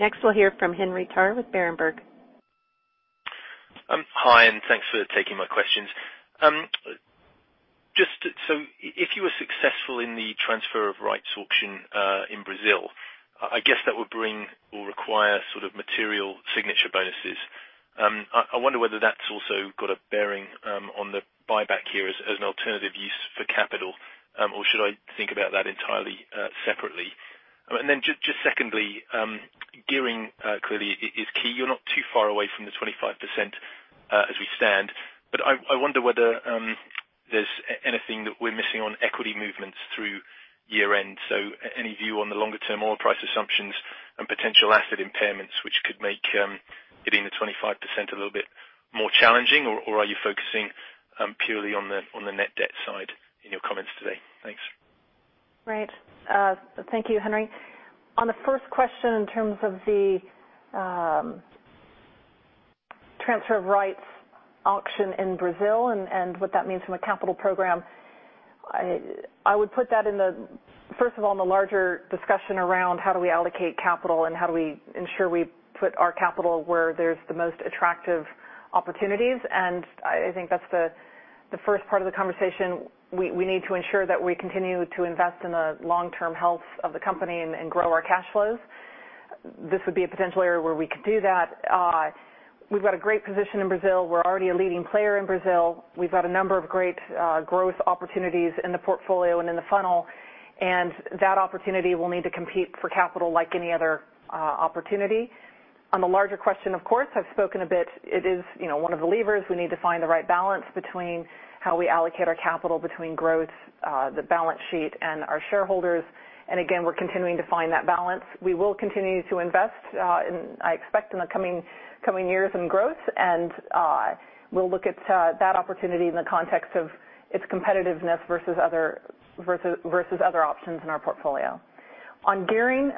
Next, we'll hear from Henry Tarr with Berenberg. Hi, thanks for taking my questions. If you were successful in the Transfer of Rights auction in Brazil, I guess that would bring or require material signature bonuses. I wonder whether that's also got a bearing on the buyback here as an alternative use for capital or should I think about that entirely separately? Just secondly, gearing clearly is key. You're not too far away from the 25% as we stand, but I wonder whether there's anything that we're missing on equity movements through year end. Any view on the longer-term oil price assumptions and potential asset impairments, which could make getting to 25% a little bit more challenging? Are you focusing purely on the net debt side in your comments today? Thanks. Right. Thank you, Henry. On the first question in terms of the Transfer of Rights auction in Brazil and what that means from a capital program, I would put that first of all, in the larger discussion around how do we allocate capital and how do we ensure we put our capital where there's the most attractive opportunities. I think that's the first part of the conversation. We need to ensure that we continue to invest in the long-term health of the company and grow our cash flows. This would be a potential area where we could do that. We've got a great position in Brazil. We're already a leading player in Brazil. We've got a number of great growth opportunities in the portfolio and in the funnel, and that opportunity will need to compete for capital like any other opportunity. On the larger question, of course, I've spoken a bit, it is one of the levers. We need to find the right balance between how we allocate our capital between growth, the balance sheet, and our shareholders. Again, we're continuing to find that balance. We will continue to invest, I expect in the coming years, in growth, and we'll look at that opportunity in the context of its competitiveness versus other options in our portfolio. On gearing,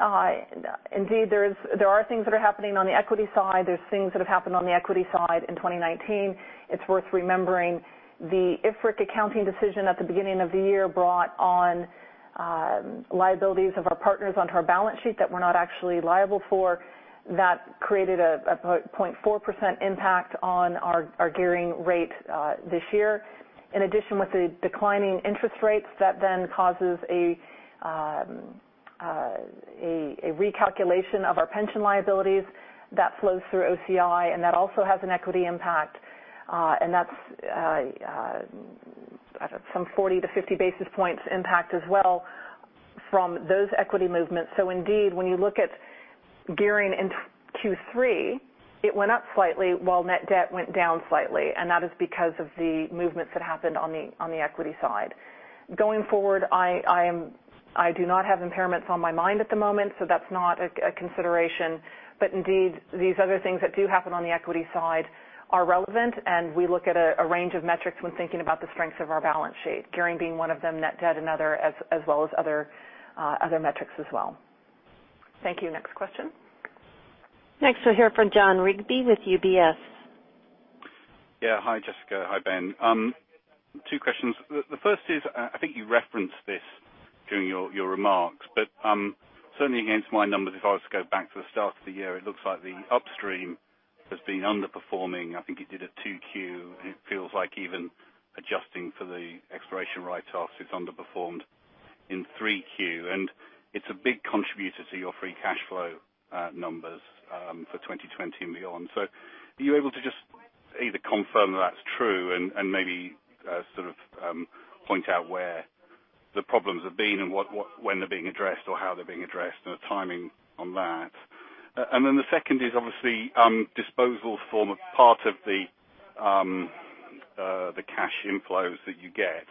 indeed, there are things that are happening on the equity side. There's things that have happened on the equity side in 2019. It's worth remembering the IFRIC accounting decision at the beginning of the year brought on liabilities of our partners onto our balance sheet that we're not actually liable for. That created a 0.4% impact on our gearing rate this year. In addition, with the declining interest rates, that causes a recalculation of our pension liabilities. That flows through OCI, that also has an equity impact. That's some 40 basis points-50 basis points impact as well from those equity movements. Indeed, when you look at gearing in Q3, it went up slightly while net debt went down slightly, that is because of the movements that happened on the equity side. Going forward, I do not have impairments on my mind at the moment, that's not a consideration. Indeed, these other things that do happen on the equity side are relevant, we look at a range of metrics when thinking about the strengths of our balance sheet, gearing being one of them, net debt another, as well as other metrics as well. Thank you. Next question. Next, we'll hear from Jon Rigby with UBS. Hi, Jessica. Hi, Ben. Two questions. The first is, I think you referenced this during your remarks, but certainly against my numbers, if I was to go back to the start of the year, it looks like the upstream has been underperforming. I think it did a 2Q, and it feels like even adjusting for the exploration write-offs, it's underperformed in 3Q. It's a big contributor to your free cash flow numbers for 2020 and beyond. Are you able to just either confirm that's true and maybe sort of point out where the problems have been and when they're being addressed or how they're being addressed and the timing on that? Then the second is obviously, disposals form a part of the cash inflows that you get.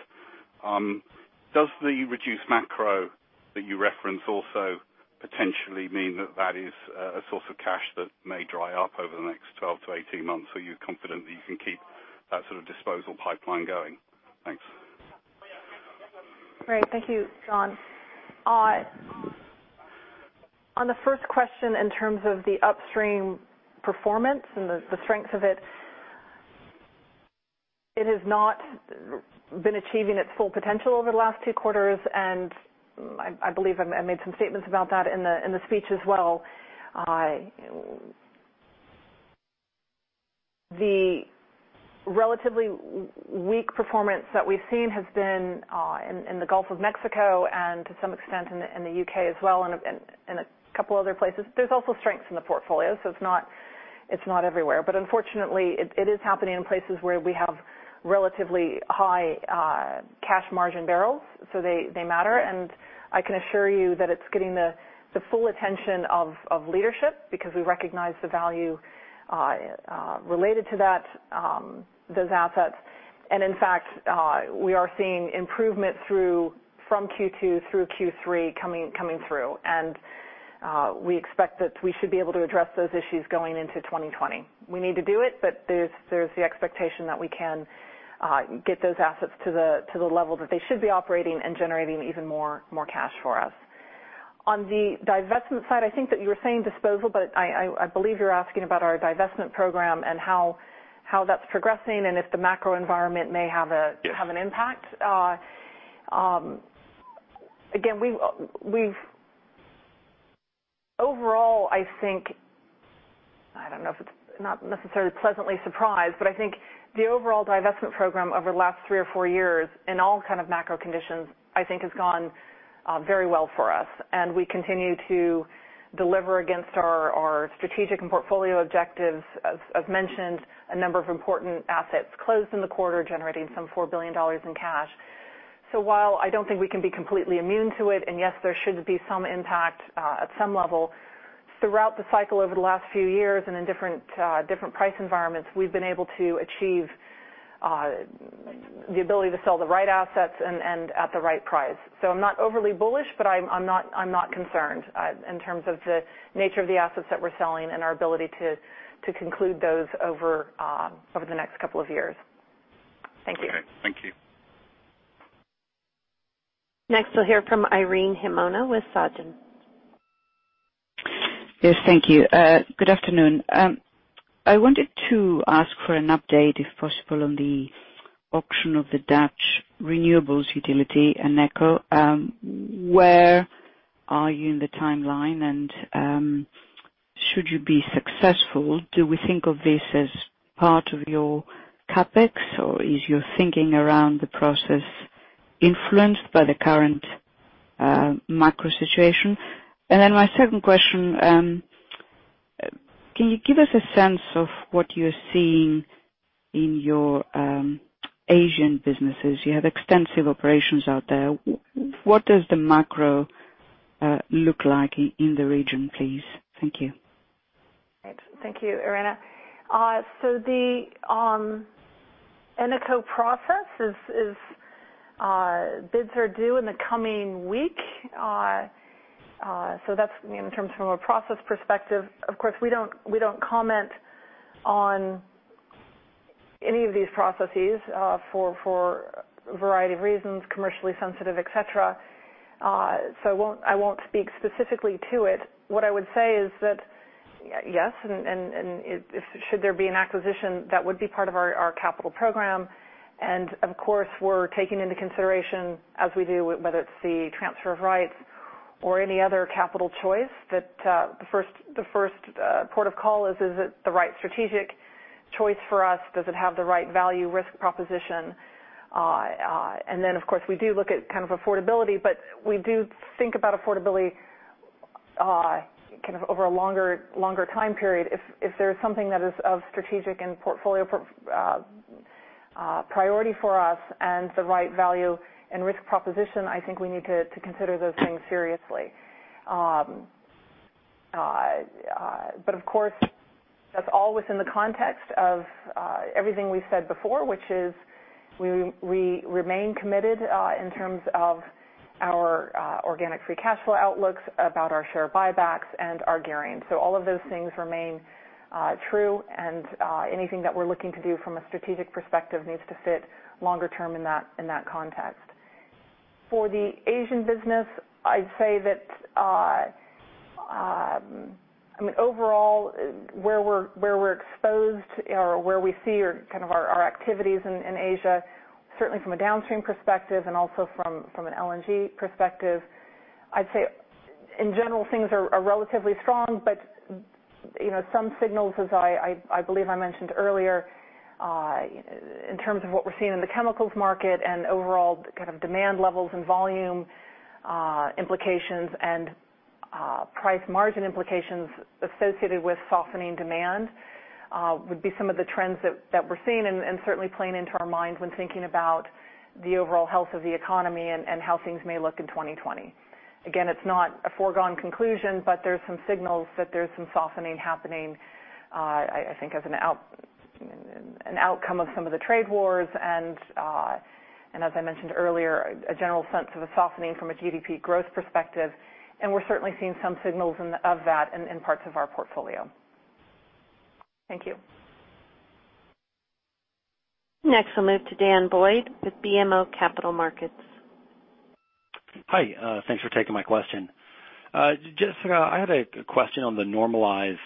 Does the reduced macro that you reference also potentially mean that is a source of cash that may dry up over the next 12 months-18 months? Are you confident that you can keep that sort of disposal pipeline going? Thanks. Great. Thank you, Jon. The first question, in terms of the upstream performance and the strength of it has not been achieving its full potential over the last two quarters. I believe I made some statements about that in the speech as well. The relatively weak performance that we've seen has been in the Gulf of Mexico and to some extent in the U.K. as well, a couple other places. There's also strengths in the portfolio, it's not everywhere. Unfortunately, it is happening in places where we have relatively high cash margin barrels, they matter. I can assure you that it's getting the full attention of leadership because we recognize the value related to those assets. In fact, we are seeing improvement from Q2 through Q3 coming through. We expect that we should be able to address those issues going into 2020. We need to do it, but there's the expectation that we can get those assets to the level that they should be operating and generating even more cash for us. On the divestment side, I think that you were saying disposal, but I believe you're asking about our divestment program and how that's progressing and if the macro environment may have an impact? Yes. I don't know if it's not necessarily pleasantly surprised, but I think the overall divestment program over the last three or four years in all kind of macro conditions, I think, has gone very well for us. We continue to deliver against our strategic and portfolio objectives. As mentioned, a number of important assets closed in the quarter, generating some $4 billion in cash. While I don't think we can be completely immune to it, and yes, there should be some impact at some level, throughout the cycle over the last few years and in different price environments, we've been able to achieve the ability to sell the right assets and at the right price. I'm not overly bullish, but I'm not concerned in terms of the nature of the assets that we're selling and our ability to conclude those over the next couple of years. Thank you. Okay. Thank you. Next, we'll hear from Irene Himona with Societe. Yes. Thank you. Good afternoon. I wanted to ask for an update, if possible, on the auction of the Dutch renewables utility, Eneco. Where are you in the timeline, and should you be successful, do we think of this as part of your CapEx, or is your thinking around the process influenced by the current macro situation? My second question, can you give us a sense of what you're seeing in your Asian businesses? You have extensive operations out there. What does the macro look like in the region, please? Thank you. Great. Thank you, Irene. The Eneco process, bids are due in the coming week. That's in terms from a process perspective. Of course, we don't comment on any of these processes for a variety of reasons, commercially sensitive, et cetera. I won't speak specifically to it. What I would say is that, yes, and should there be an acquisition, that would be part of our capital program. Of course, we're taking into consideration, as we do, whether it's the Transfer of Rights or any other capital choice, that the first port of call is it the right strategic choice for us? Does it have the right value risk proposition? Of course, we do look at kind of affordability, but we do think about affordability kind of over a longer time period. If there's something that is of strategic and portfolio priority for us and the right value and risk proposition, I think we need to consider those things seriously. Of course, that's all within the context of everything we've said before, which is we remain committed in terms of our organic free cash flow outlooks, about our share buybacks, and our gearing. All of those things remain true, and anything that we're looking to do from a strategic perspective needs to fit longer term in that context. For the Asian business, I'd say that overall, where we're exposed or where we see our activities in Asia, certainly from a downstream perspective and also from an LNG perspective, I'd say, in general, things are relatively strong. Some signals, as I believe I mentioned earlier, in terms of what we're seeing in the chemicals market and overall kind of demand levels and volume implications and price margin implications associated with softening demand would be some of the trends that we're seeing and certainly playing into our minds when thinking about the overall health of the economy and how things may look in 2020. Again, it's not a foregone conclusion, but there's some signals that there's some softening happening, I think as an outcome of some of the trade wars and, as I mentioned earlier, a general sense of a softening from a GDP growth perspective, and we're certainly seeing some signals of that in parts of our portfolio. Thank you. Next, we'll move to Daniel Boyd with BMO Capital Markets. Hi. Thanks for taking my question. Jessica, I had a question on the normalized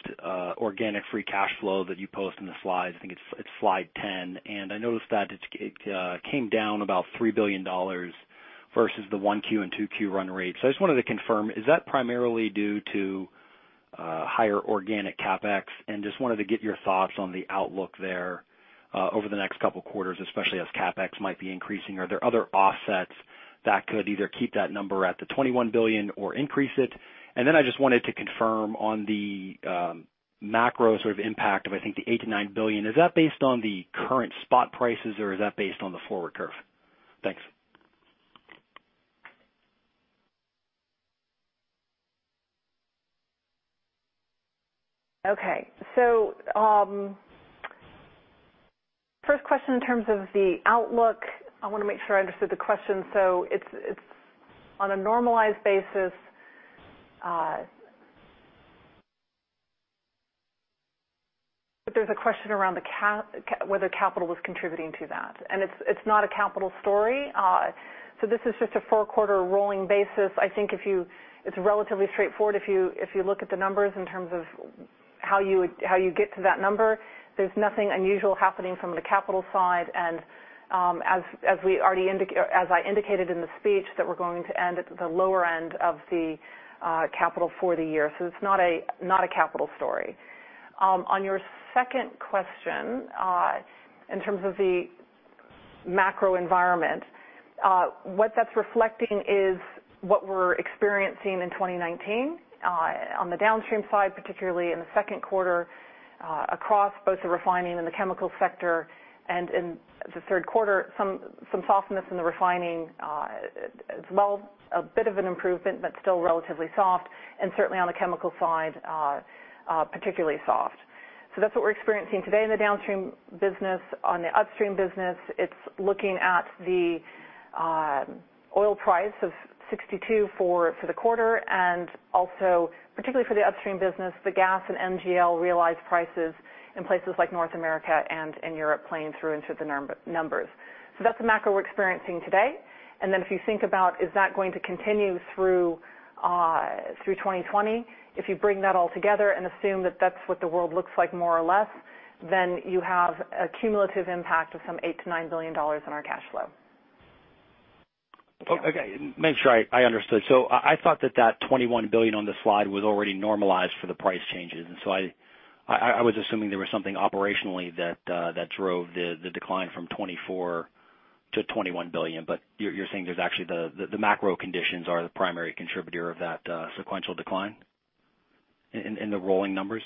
organic free cash flow that you post in the slides. I think it's Slide 10. I noticed that it came down about $3 billion versus the 1Q and 2Q run rate. I just wanted to confirm, is that primarily due to higher organic CapEx? Just wanted to get your thoughts on the outlook there over the next couple of quarters, especially as CapEx might be increasing. Are there other offsets that could either keep that number at the $21 billion or increase it? I just wanted to confirm on the macro sort of impact of, I think, the $8 billion-$9 billion. Is that based on the current spot prices, or is that based on the forward curve? Thanks. Okay. First question in terms of the outlook, I want to make sure I understood the question. It's on a normalized basis. There's a question around whether capital was contributing to that, and it's not a capital story. This is just a four-quarter rolling basis. I think it's relatively straightforward if you look at the numbers in terms of how you get to that number. There's nothing unusual happening from the capital side. As I indicated in the speech, that we're going to end at the lower end of the capital for the year. It's not a capital story. On your second question, in terms of the macro environment, what that's reflecting is what we're experiencing in 2019 on the downstream side, particularly in the second quarter, across both the refining and the chemical sector, and in the third quarter, some softness in the refining. Well, a bit of an improvement, but still relatively soft, and certainly on the chemical side, particularly soft. That's what we're experiencing today in the downstream business. On the upstream business, it's looking at the oil price of $62 for the quarter and also, particularly for the upstream business, the gas and NGL realized prices in places like North America and in Europe playing through into the numbers. That's the macro we're experiencing today. If you think about is that going to continue through 2020, if you bring that all together and assume that that's what the world looks like more or less, you have a cumulative impact of some $8 billion-$9 billion on our cash flow. Okay. Make sure I understood. I thought that that $21 billion on the slide was already normalized for the price changes. I was assuming there was something operationally that drove the decline from $24 billion to $21 billion. You're saying the macro conditions are the primary contributor of that sequential decline in the rolling numbers?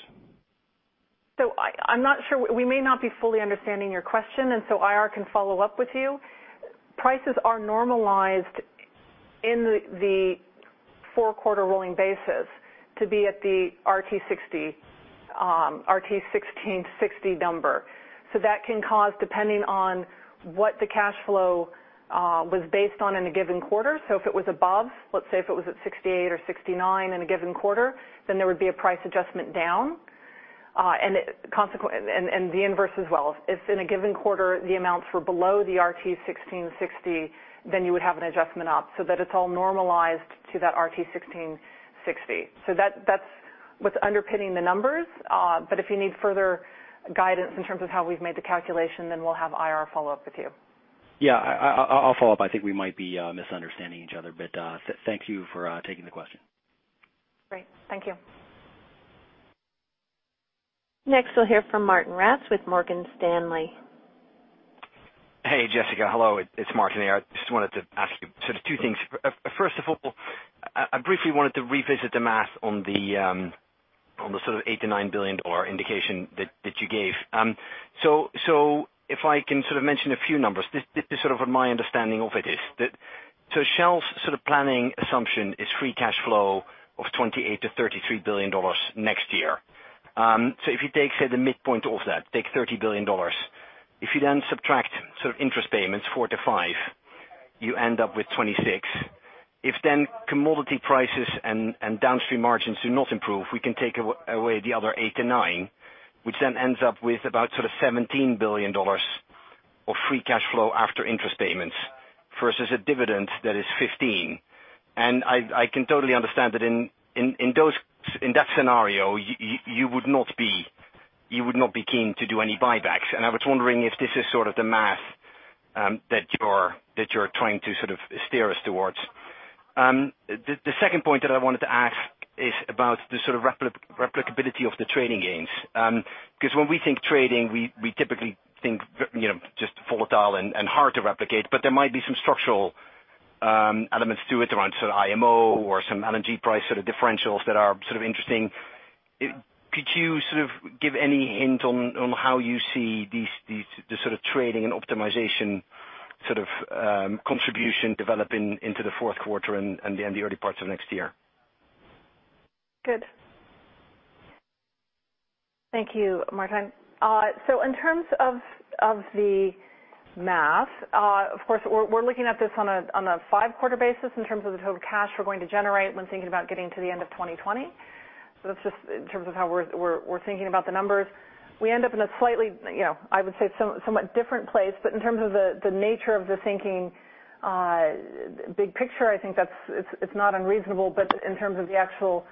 I'm not sure. We may not be fully understanding your question. IR can follow up with you. Prices are normalized in the four-quarter rolling basis to be at the $RT 1660 number. That can cause, depending on what the cash flow was based on in a given quarter. If it was above, let's say, if it was at $68 or $69 in a given quarter, then there would be a price adjustment down, and the inverse as well. If in a given quarter, the amounts were below the $RT 1660, then you would have an adjustment up so that it's all normalized to that $RT 1660. That's what's underpinning the numbers. If you need further guidance in terms of how we've made the calculation, then we'll have IR follow up with you. Yeah. I'll follow up. I think we might be misunderstanding each other, but thank you for taking the question. Great. Thank you. Next, we'll hear from Martijn Rats with Morgan Stanley. Hey, Jessica. Hello, it's Martijn here. I just wanted to ask you sort of two things. First of all, I briefly wanted to revisit the math on the sort of $8 billion-$9 billion indication that you gave. If I can sort of mention a few numbers, this is sort of what my understanding of it is that so Shell's sort of planning assumption is free cash flow of $28 billion-$33 billion next year. If you take, say, the midpoint of that, take $30 billion. If you then subtract sort of interest payments, four to five, you end up with $26 billion. If then commodity prices and downstream margins do not improve, we can take away the other eight to nine, which then ends up with about sort of $17 billion of free cash flow after interest payments versus a dividend that is $15 billion. I can totally understand that in that scenario, you would not be keen to do any buybacks. I was wondering if this is sort of the math that you're trying to sort of steer us towards. The second point that I wanted to ask is about the sort of replicability of the trading gains. When we think trading, we typically think just volatile and hard to replicate, but there might be some structural elements to it around sort of IMO or some LNG price sort of differentials that are sort of interesting. Could you sort of give any hint on how you see the sort of trading and optimization sort of contribution developing into the fourth quarter and then the early parts of next year? Good. Thank you, Martijn. In terms of the math, of course, we're looking at this on a five-quarter basis in terms of the total cash we're going to generate when thinking about getting to the end of 2020. That's just in terms of how we're thinking about the numbers. We end up in a slightly, I would say, somewhat different place, but in terms of the nature of the thinking, big picture, I think it's not unreasonable, but in terms of the actual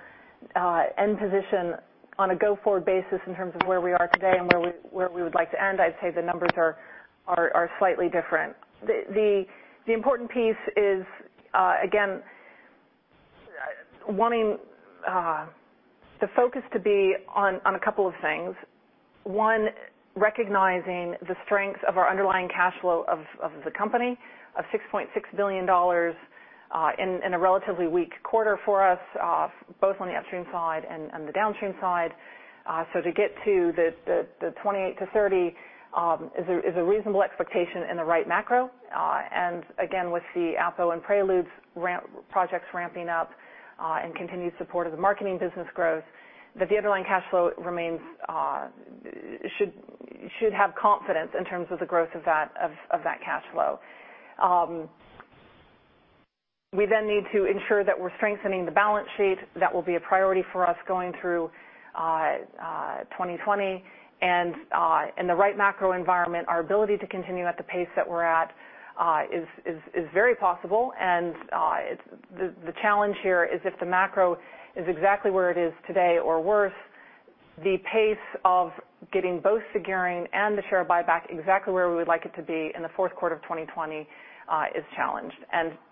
end position on a go-forward basis in terms of where we are today and where we would like to end, I'd say the numbers are slightly different. The important piece is, again, wanting the focus to be on a couple of things. Recognizing the strengths of our underlying cash flow of the company of $6.6 billion in a relatively weak quarter for us, both on the upstream side and the downstream side. To get to the $28 billion-$30 billion is a reasonable expectation in the right macro. Again, with the Appomattox and Preludes projects ramping up, and continued support of the marketing business growth, the underlying cash flow should have confidence in terms of the growth of that cash flow. We need to ensure that we're strengthening the balance sheet. That will be a priority for us going through 2020. In the right macro environment, our ability to continue at the pace that we're at is very possible, and the challenge here is if the macro is exactly where it is today or worse, the pace of getting both the gearing and the share buyback exactly where we would like it to be in the fourth quarter of 2020 is challenged.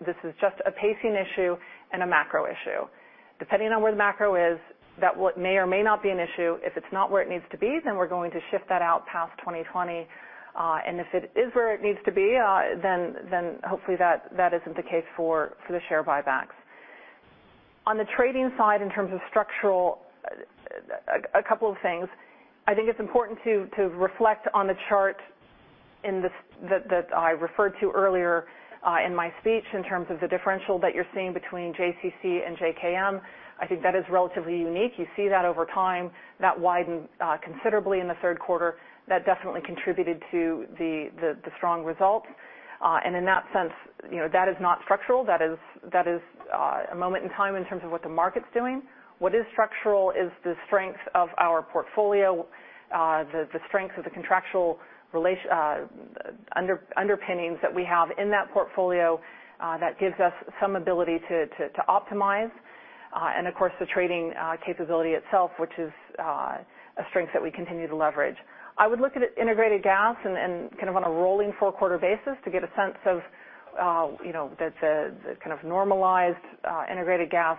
This is just a pacing issue and a macro issue. Depending on where the macro is, that may or may not be an issue. If it's not where it needs to be, then we're going to shift that out past 2020. If it is where it needs to be, then hopefully that isn't the case for the share buybacks. On the trading side, in terms of structural, a couple of things. I think it's important to reflect on the chart that I referred to earlier in my speech in terms of the differential that you're seeing between JCC and JKM. I think that is relatively unique. You see that over time. That widened considerably in the third quarter. That definitely contributed to the strong results. In that sense, that is not structural. That is a moment in time in terms of what the market's doing. What is structural is the strength of our portfolio, the strength of the contractual underpinnings that we have in that portfolio that gives us some ability to optimize. Of course, the trading capability itself, which is a strength that we continue to leverage. I would look at integrated gas on a rolling four-quarter basis to get a sense of the kind of normalized integrated gas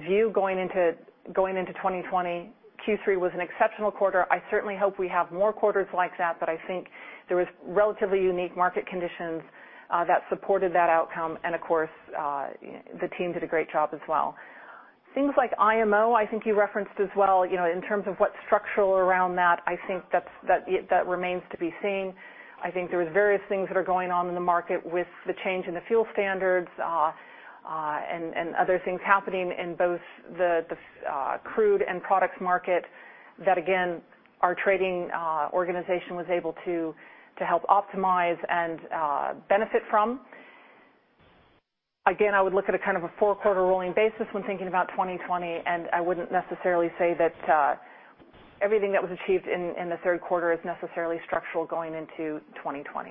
view going into 2020. Q3 was an exceptional quarter. I certainly hope we have more quarters like that, but I think there was relatively unique market conditions that supported that outcome. Of course, the team did a great job as well. Things like IMO, I think you referenced as well. In terms of what's structural around that, I think that remains to be seen. I think there is various things that are going on in the market with the change in the fuel standards, and other things happening in both the crude and products market that, again, our trading organization was able to help optimize and benefit from. Again, I would look at a kind of a 4-quarter rolling basis when thinking about 2020, and I wouldn't necessarily say that everything that was achieved in the third quarter is necessarily structural going into 2020.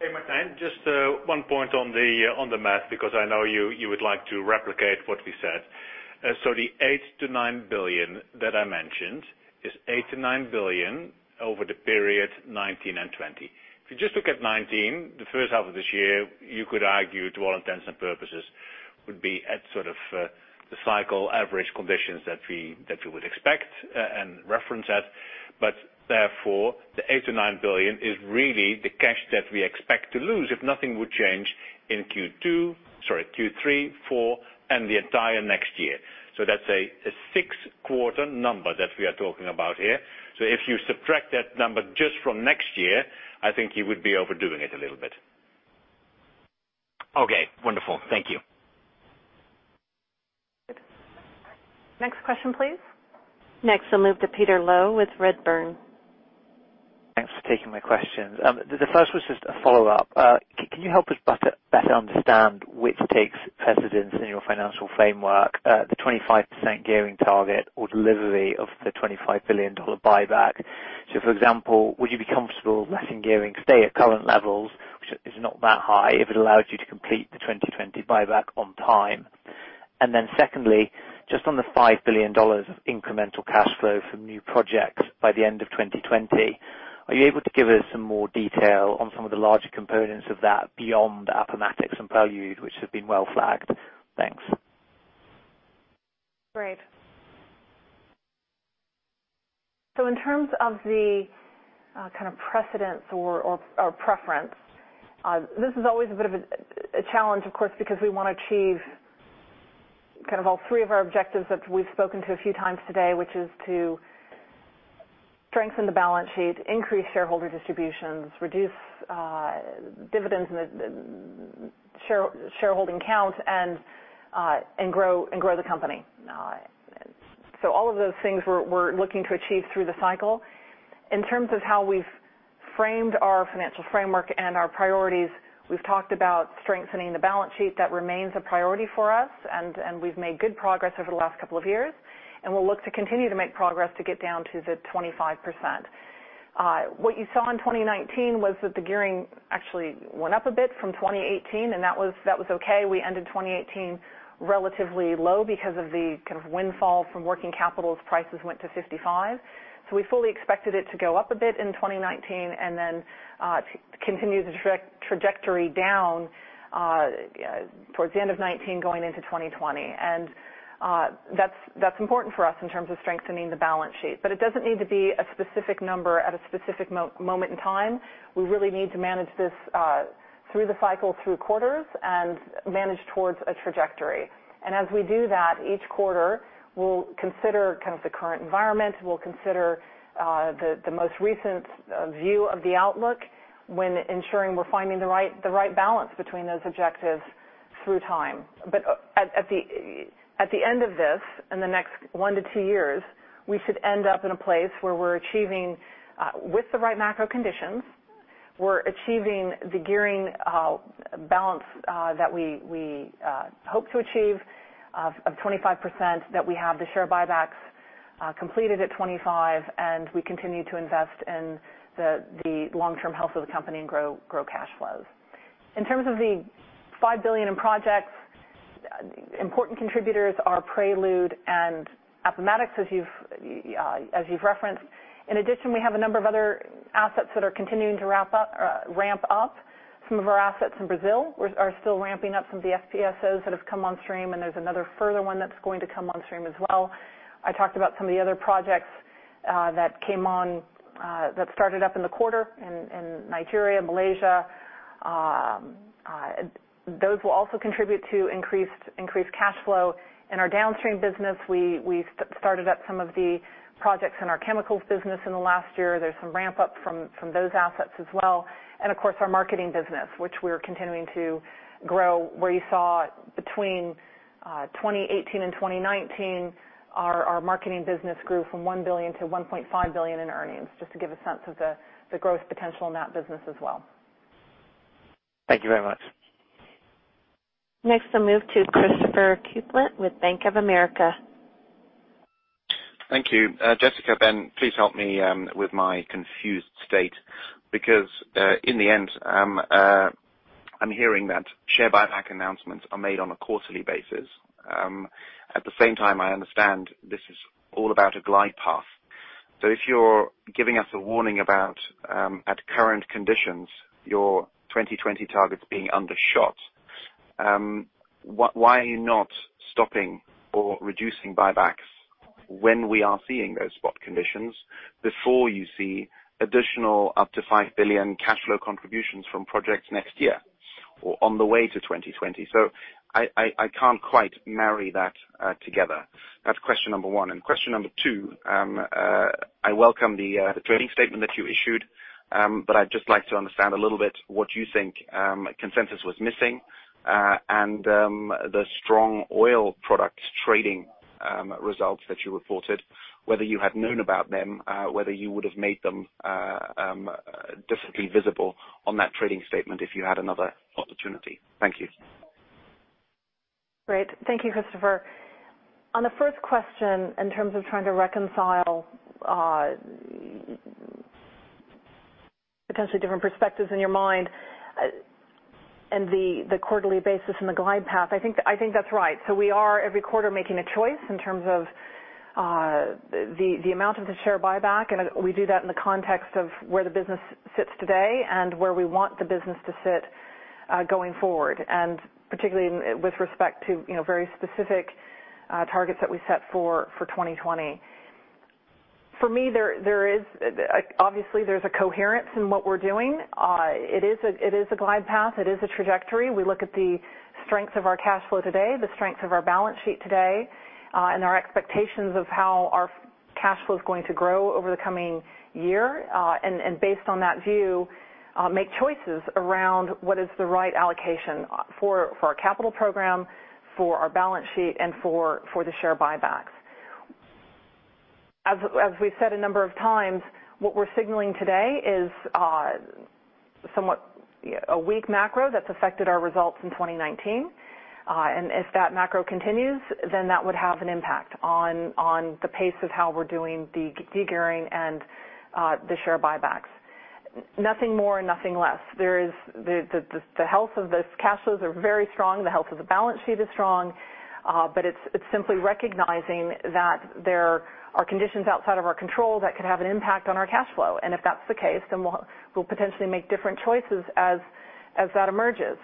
Hey, Martijn, just one point on the math, because I know you would like to replicate what we said. The $8 billion-$9 billion that I mentioned is $8 billion-$9 billion over the period 2019 and 2020. If you just look at 2019, the first half of this year, you could argue, to all intents and purposes, would be at sort of the cycle average conditions that we would expect and reference at. The $8 billion-$9 billion is really the cash that we expect to lose if nothing would change in Q3, Q4, and the entire next year. That's a six-quarter number that we are talking about here. If you subtract that number just from next year, I think you would be overdoing it a little bit. Okay, wonderful. Thank you. Next question, please. Next, I'll move to Peter Low with Redburn. Thanks for taking my questions. The first was just a follow-up. Can you help us better understand which takes precedence in your financial framework, the 25% gearing target or delivery of the $25 billion buyback? For example, would you be comfortable letting gearing stay at current levels, which is not that high, if it allows you to complete the 2020 buyback on time? Secondly, just on the $5 billion of incremental cash flow from new projects by the end of 2020, are you able to give us some more detail on some of the larger components of that beyond Appomattox and Prelude, which have been well flagged? Thanks. Great. In terms of the kind of precedence or preference, this is always a bit of a challenge, of course, because we want to achieve kind of all three of our objectives that we've spoken to a few times today, which is to strengthen the balance sheet, increase shareholder distributions, reduce debt and shareholding count, and grow the company. All of those things we're looking to achieve through the cycle. In terms of how we've framed our financial framework and our priorities, we've talked about strengthening the balance sheet. That remains a priority for us, and we've made good progress over the last couple of years, and we'll look to continue to make progress to get down to the 25%. What you saw in 2019 was that the gearing actually went up a bit from 2018, and that was okay. We ended 2018 relatively low because of the kind of windfall from working capital as prices went to $55. We fully expected it to go up a bit in 2019 and then continue the trajectory down towards the end of 2019, going into 2020. That's important for us in terms of strengthening the balance sheet. It doesn't need to be a specific number at a specific moment in time. We really need to manage this through the cycle, through quarters, and manage towards a trajectory. As we do that, each quarter we'll consider the current environment, we'll consider the most recent view of the outlook when ensuring we're finding the right balance between those objectives through time. At the end of this, in the next one to two years, we should end up in a place where we're achieving, with the right macro conditions, we're achieving the gearing balance that we hope to achieve of 25%, that we have the share buybacks completed at 25, and we continue to invest in the long-term health of the company and grow cash flows. In terms of the $5 billion in projects, important contributors are Prelude and Appomattox, as you've referenced. In addition, we have a number of other assets that are continuing to ramp up. Some of our assets in Brazil are still ramping up. Some of the FPSOs that have come on stream, and there's another further one that's going to come on stream as well. I talked about some of the other projects that started up in the quarter in Nigeria, Malaysia. Those will also contribute to increased cash flow. In our Downstream business, we started up some of the projects in our Chemicals business in the last year. There's some ramp up from those assets as well. Of course, our Marketing business, which we are continuing to grow, where you saw between 2018 and 2019, our Marketing business grew from $1 billion to $1.5 billion in earnings, just to give a sense of the growth potential in that business as well. Thank you very much. Next, I'll move to Christopher Kuplent with Bank of America. Thank you. Jessica, Ben, please help me with my confused state. In the end, I'm hearing that share buyback announcements are made on a quarterly basis. At the same time, I understand this is all about a glide path. If you're giving us a warning about, at current conditions, your 2020 targets being undershot, why are you not stopping or reducing buybacks when we are seeing those spot conditions before you see additional up to $5 billion cash flow contributions from projects next year or on the way to 2020? I can't quite marry that together. That's question number one. Question number two, I welcome the trading statement that you issued. I'd just like to understand a little bit what you think consensus was missing, and the strong oil products trading results that you reported, whether you had known about them, whether you would have made them differently visible on that trading statement if you had another opportunity. Thank you. Great. Thank you, Christopher. On the first question, in terms of trying to reconcile potentially different perspectives in your mind and the quarterly basis and the glide path, I think that's right. We are every quarter making a choice in terms of the amount of the share buyback, and we do that in the context of where the business sits today and where we want the business to sit going forward. Particularly with respect to very specific targets that we set for 2020. For me, obviously there's a coherence in what we're doing. It is a glide path. It is a trajectory. We look at the strength of our cash flow today, the strength of our balance sheet today, and our expectations of how our cash flow is going to grow over the coming year. Based on that view, make choices around what is the right allocation for our capital program, for our balance sheet, and for the share buybacks. As we've said a number of times, what we're signaling today is somewhat a weak macro that's affected our results in 2019. If that macro continues, then that would have an impact on the pace of how we're doing the de-gearing and the share buybacks. Nothing more and nothing less. The health of those cash flows are very strong. The health of the balance sheet is strong. It's simply recognizing that there are conditions outside of our control that could have an impact on our cash flow. If that's the case, then we'll potentially make different choices as that emerges.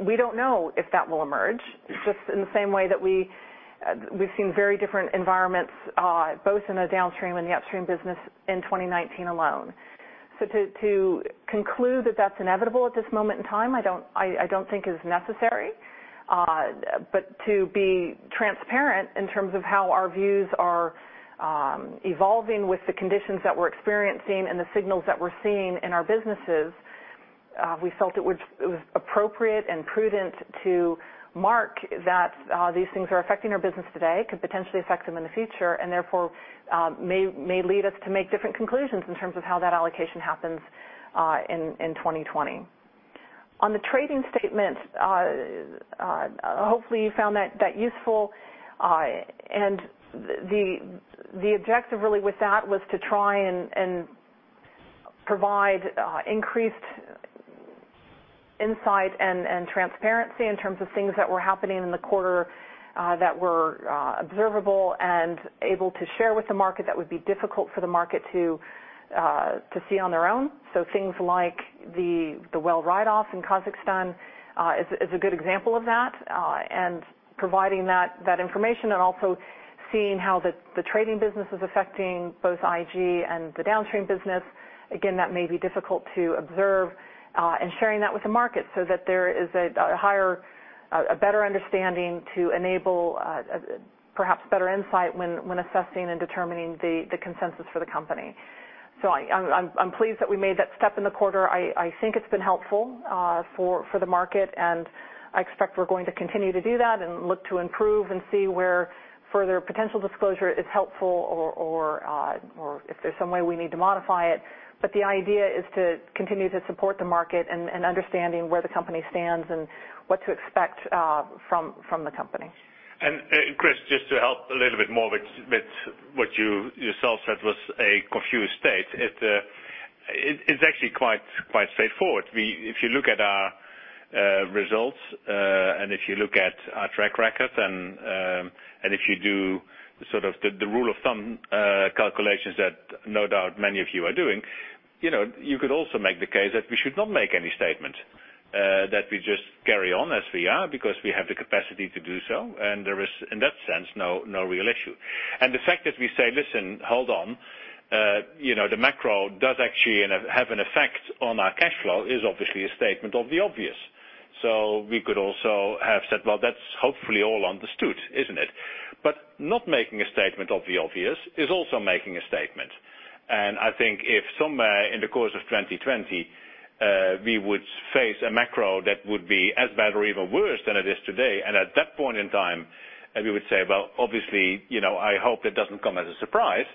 We don't know if that will emerge, just in the same way that we've seen very different environments, both in the downstream and the upstream business in 2019 alone. To conclude that that's inevitable at this moment in time, I don't think is necessary. To be transparent in terms of how our views are evolving with the conditions that we're experiencing and the signals that we're seeing in our businesses, we felt it was appropriate and prudent to mark that these things are affecting our business today, could potentially affect them in the future, and therefore, may lead us to make different conclusions in terms of how that allocation happens in 2020. On the trading statement, hopefully you found that useful. The objective really with that was to try and provide increased insight and transparency in terms of things that were happening in the quarter that were observable and able to share with the market that would be difficult for the market to see on their own. Things like the well write-off in Kazakhstan is a good example of that. Providing that information and also seeing how the trading business is affecting both IG and the downstream business. Again, that may be difficult to observe, and sharing that with the market so that there is a better understanding to enable perhaps better insight when assessing and determining the consensus for the company. I'm pleased that we made that step in the quarter. I think it's been helpful for the market, I expect we're going to continue to do that and look to improve and see where further potential disclosure is helpful or if there's some way we need to modify it. The idea is to continue to support the market and understanding where the company stands and what to expect from the company. Chris, just to help a little bit more with what you yourself said was a confused state. It's actually quite straightforward. If you look at our results, and if you look at our track record, and if you do the sort of the rule of thumb calculations that no doubt many of you are doing, you could also make the case that we should not make any statement. That we just carry on as we are because we have the capacity to do so. There is, in that sense, no real issue. The fact that we say, "Listen, hold on. The macro does actually have an effect on our cash flow," is obviously a statement of the obvious. We could also have said, "Well, that's hopefully all understood, isn't it?" Not making a statement of the obvious is also making a statement. I think if somewhere in the course of 2020, we would face a macro that would be as bad or even worse than it is today, and at that point in time, we would say, "Well, obviously, I hope that doesn't come as a surprise."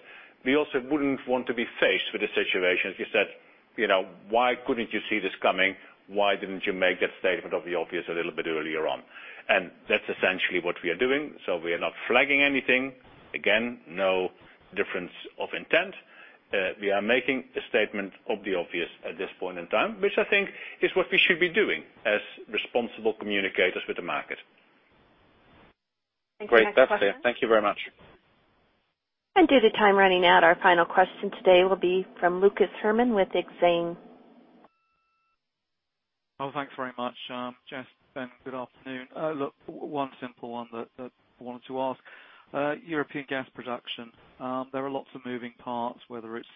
We also wouldn't want to be faced with a situation if you saidWhy couldn't you see this coming? Why didn't you make that statement of the obvious a little bit earlier on? That's essentially what we are doing. We are not flagging anything. Again, no difference of intent. We are making a statement of the obvious at this point in time, which I think is what we should be doing as responsible communicators with the market. Your next question? Great. That's it. Thank you very much. Due to time running out, our final question today will be from Lucas Herrmann with Exane. Oh, thanks very much, Jess, Ben. Good afternoon. Look, one simple one that wanted to ask. European gas production. There are lots of moving parts, whether it's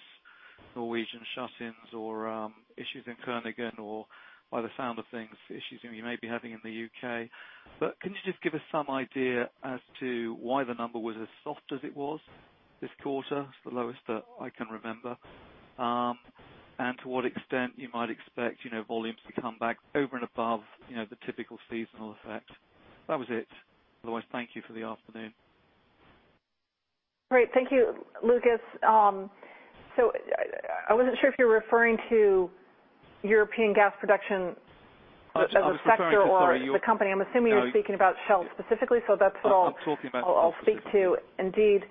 Norwegian shut-ins or issues in Groningen or, by the sound of things, issues that you may be having in the U.K. Can you just give us some idea as to why the number was as soft as it was this quarter, the lowest that I can remember, and to what extent you might expect volumes to come back over and above the typical seasonal effect? That was it. Otherwise, thank you for the afternoon. Great. Thank you, Lucas. I wasn't sure if you were referring to European gas production as a sector. I was referring to, sorry- The company. I'm assuming you're speaking about Shell specifically, so that's what I'll. I'm talking about Shell specifically. I'll speak to. Indeed,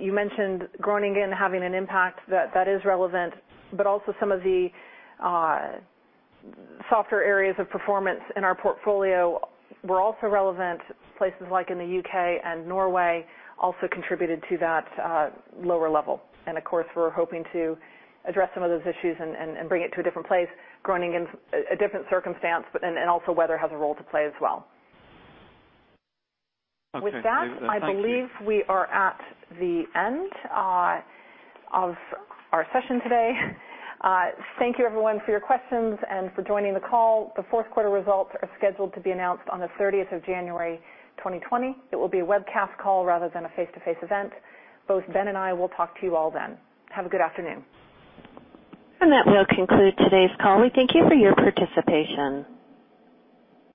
you mentioned Groningen having an impact. That is relevant, but also some of the softer areas of performance in our portfolio were also relevant. Places like in the U.K. and Norway also contributed to that lower level. And of course, we're hoping to address some of those issues and bring it to a different place. Groningen's a different circumstance, and also weather has a role to play as well. Okay. With that- Thank you. I believe we are at the end of our session today. Thank you everyone for your questions and for joining the call. The fourth quarter results are scheduled to be announced on the 30th of January 2020. It will be a webcast call rather than a face-to-face event. Both Ben and I will talk to you all then. Have a good afternoon. That will conclude today's call. We thank you for your participation.